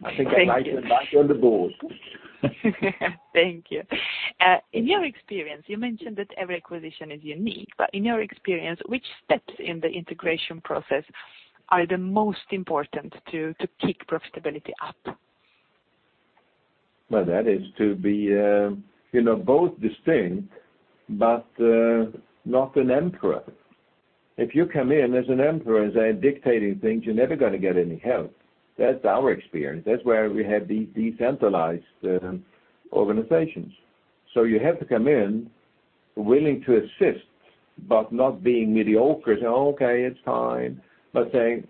Thank you. I think I'd like you back on the board. Thank you. In your experience, you mentioned that every acquisition is unique, but in your experience, which steps in the integration process are the most important to kick profitability up? That is to be both distinct, but not an emperor. If you come in as an emperor and start dictating things, you're never going to get any help. That's our experience. That's why we have these decentralized organizations. You have to come in willing to assist, but not being mediocre and say, "Okay, it's fine." Saying,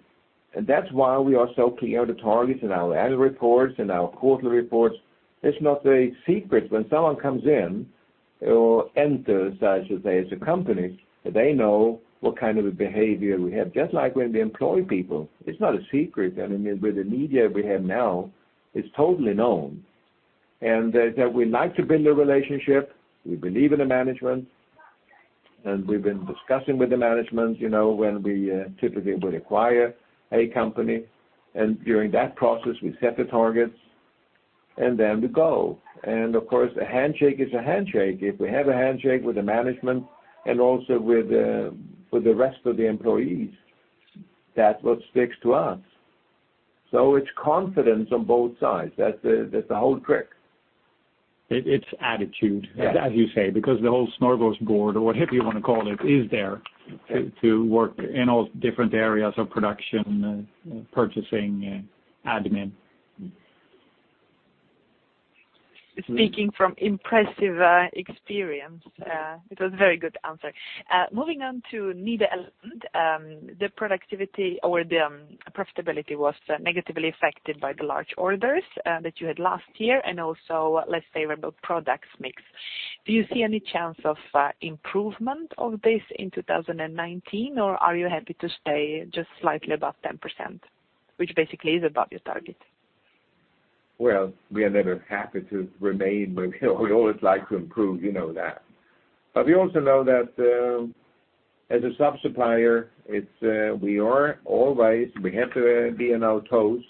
that's why we are so clear on the targets in our annual reports and our quarterly reports. It's not a secret when someone comes in or enters, as you say, as a company, they know what kind of a behavior we have. Just like when we employ people, it's not a secret. With the media we have now, it's totally known. That we like to build a relationship. We believe in the management, and we've been discussing with the management, when we typically would acquire a company, and during that process, we set the targets, and then we go. Of course, a handshake is a handshake. If we have a handshake with the management and also with the rest of the employees, that's what sticks to us. It's confidence on both sides. That's the whole trick. It's attitude. Yes. As you say, because the whole smorgasbord, or whatever you want to call it, is there to work in all different areas of production, purchasing, admin. Speaking from impressive experience. It was a very good answer. Moving on to NIBE Element, the productivity or the profitability was negatively affected by the large orders that you had last year and also less favorable product mix. Do you see any chance of improvement of this in 2019, or are you happy to stay just slightly above 10%, which basically is above your target? We are never happy to remain. We always like to improve, you know that. We also know that as a sub-supplier, we have to be on our toes.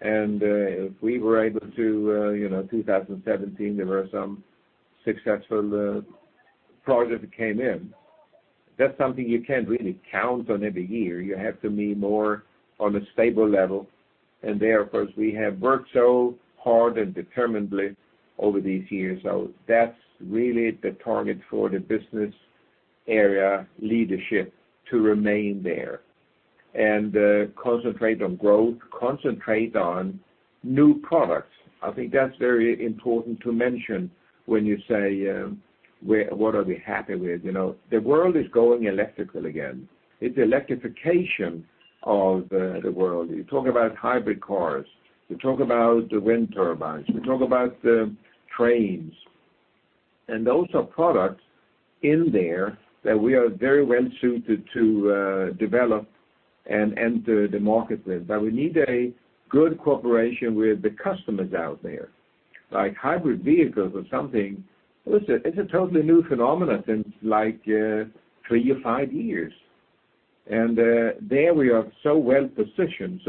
If we were able to, 2017, there were some successful projects that came in. That's something you can't really count on every year. You have to be more on a stable level. There, of course, we have worked so hard and determinedly over these years. That's really the target for the business area leadership to remain there and concentrate on growth, concentrate on new products. I think that's very important to mention when you say, what are we happy with. The world is going electrical again. It's electrification of the world. You talk about hybrid cars, you talk about the wind turbines, you talk about trains. Those are products in there that we are very well-suited to develop and enter the market with. We need a good cooperation with the customers out there. Like hybrid vehicles or something, listen, it's a totally new phenomenon since three to five years. There we are so well-positioned.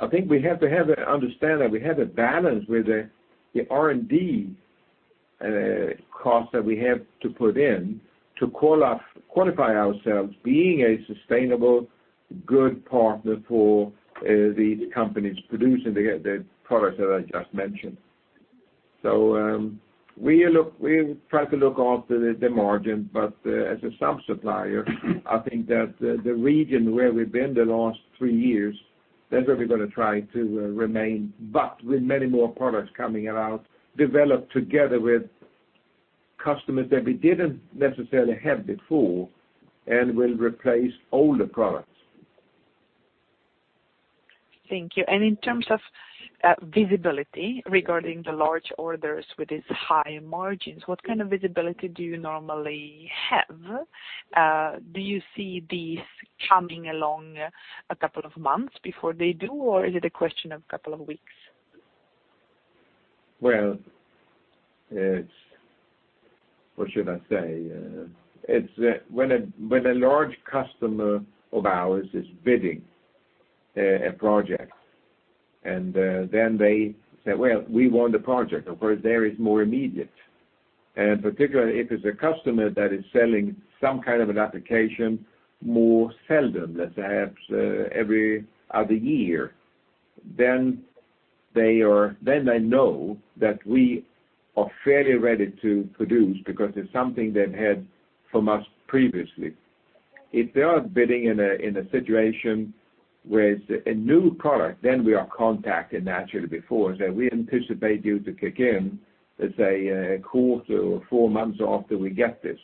I think we have to have an understanding. We have a balance with the R&D cost that we have to put in to qualify ourselves being a sustainable, good partner for the companies producing the products that I just mentioned. We try to look after the margin, as a sub-supplier, I think that the region where we've been the last three years, that's where we're going to try to remain, but with many more products coming out, developed together with customers that we didn't necessarily have before and will replace older products. Thank you. In terms of visibility regarding the large orders with these high margins, what kind of visibility do you normally have? Do you see these coming along a couple of months before they do, or is it a question of a couple of weeks? Well, what should I say? When a large customer of ours is bidding a project, they say, "Well, we won the project." Of course, there is more immediate. Particularly, if it's a customer that is selling some kind of an application more seldom than perhaps every other year. They know that we are fairly ready to produce because it's something they've had from us previously. If they are bidding in a situation with a new product, then we are contacted naturally before. Say, "We anticipate you to kick in," let's say, "A quarter or four months after we get this."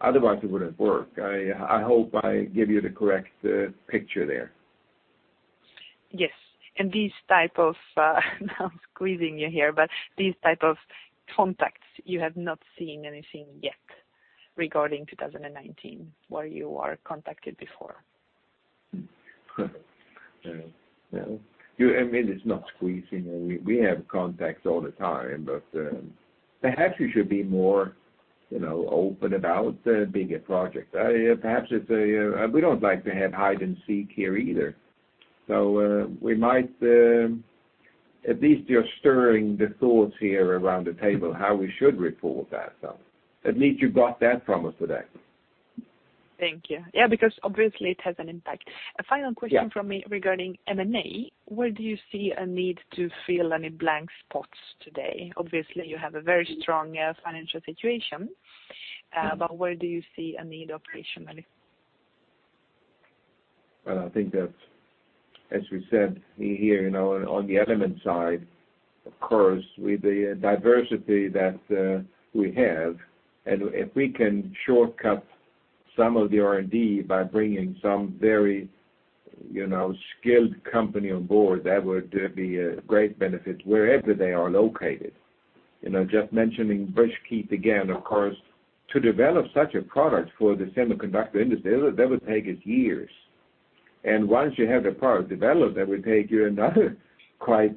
Otherwise, it wouldn't work. I hope I give you the correct picture there. Yes. These type of, I'm squeezing you here, but these type of contacts, you have not seen anything yet regarding 2019, where you are contacted before? No. I mean, it's not squeezing. We have contacts all the time, but perhaps you should be more open about bigger projects. We don't like to have hide and seek here either. At least you're stirring the thoughts here around the table how we should report that. At least you got that from us today. Thank you. Because obviously it has an impact. Yeah. A final question from me regarding M&A, where do you see a need to fill any blank spots today? Obviously, you have a very strong financial situation. Where do you see a need operationally? Well, I think that, as we said here, on the Element side, of course, with the diversity that we have, if we can shortcut some of the R&D by bringing some very skilled company on board, that would be a great benefit wherever they are located. Just mentioning BriskHeat again, of course, to develop such a product for the semiconductor industry, that would take us years. Once you have the product developed, that would take you another quite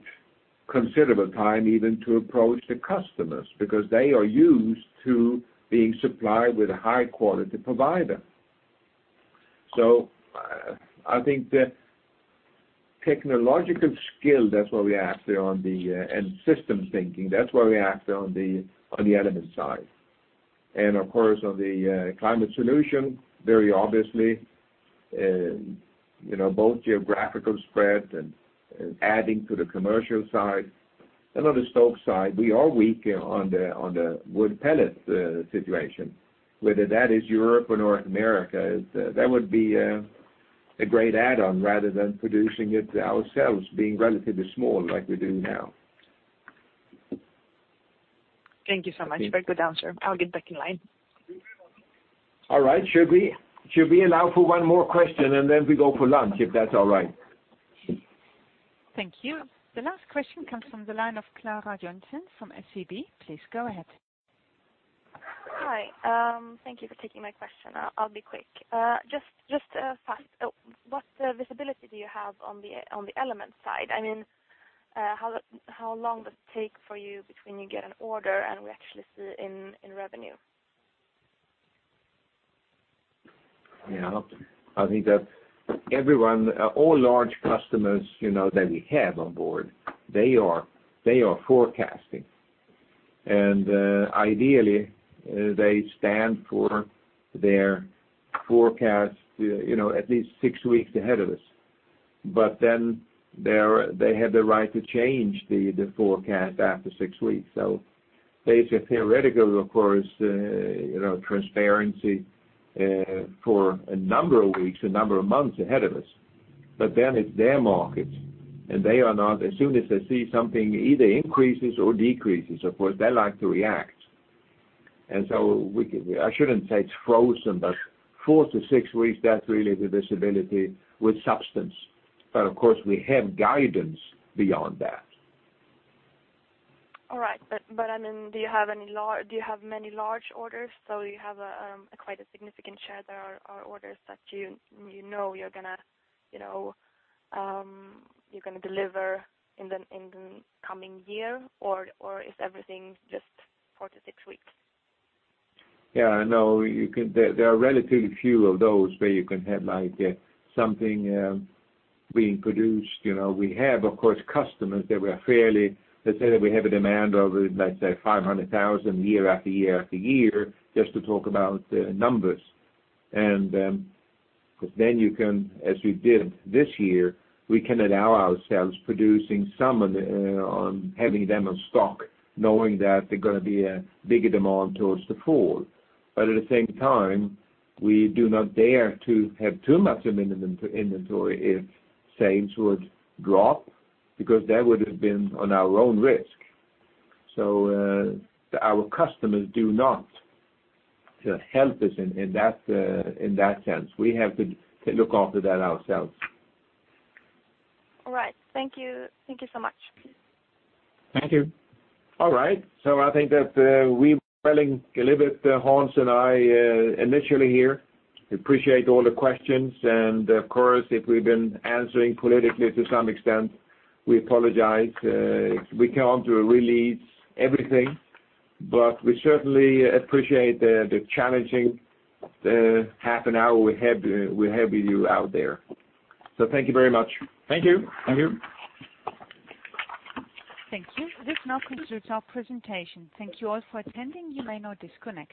considerable time even to approach the customers, because they are used to being supplied with a high-quality provider. I think the technological skill, that's where we act, and system thinking, that's where we act on the Element side. Of course, on the Climate Solutions, very obviously, both geographical spread and adding to the commercial side. On the Stove side, we are weak on the wood pellet situation, whether that is Europe or North America. That would be a great add-on rather than producing it ourselves, being relatively small like we do now. Thank you so much. Very good answer. I'll get back in line. All right. Should we allow for one more question and then we go for lunch, if that's all right? Thank you. The last question comes from the line of Klara Jonsson from SEB. Please go ahead. Hi. Thank you for taking my question. I'll be quick. Just a fact, what visibility do you have on the Element side? I mean, how long does it take for you between you get an order and we actually see it in revenue? I think that all large customers that we have on board, they are forecasting. Ideally, they stand for their forecast at least six weeks ahead of us. They have the right to change the forecast after six weeks. There's a theoretical, of course, transparency for a number of weeks, a number of months ahead of us. It's their market, and as soon as they see something either increases or decreases, of course, they like to react. I shouldn't say it's frozen, but four to six weeks, that's really the visibility with substance. Of course, we have guidance beyond that. All right. I mean, do you have many large orders? You have quite a significant share there are orders that you know you're going to deliver in the coming year, or is everything just four to six weeks? No. There are relatively few of those where you can have something being produced. We have, of course, customers that say that we have a demand of, let's say, 500,000 year after year after year, just to talk about numbers. As we did this year, we can allow ourselves producing some on having them on stock, knowing that they're going to be a bigger demand towards the fall. At the same time, we do not dare to have too much inventory if sales would drop, because that would have been on our own risk. Our customers do not help us in that sense. We have to look after that ourselves. All right. Thank you so much. Thank you. All right. I think that we're running a little bit. Hans and I literally here, appreciate all the questions. Of course, if we've been answering politically to some extent, we apologize. We can't release everything. We certainly appreciate the challenging half an hour we had with you out there. Thank you very much. Thank you. Thank you. Thank you. This now concludes our presentation. Thank you all for attending. You may now disconnect.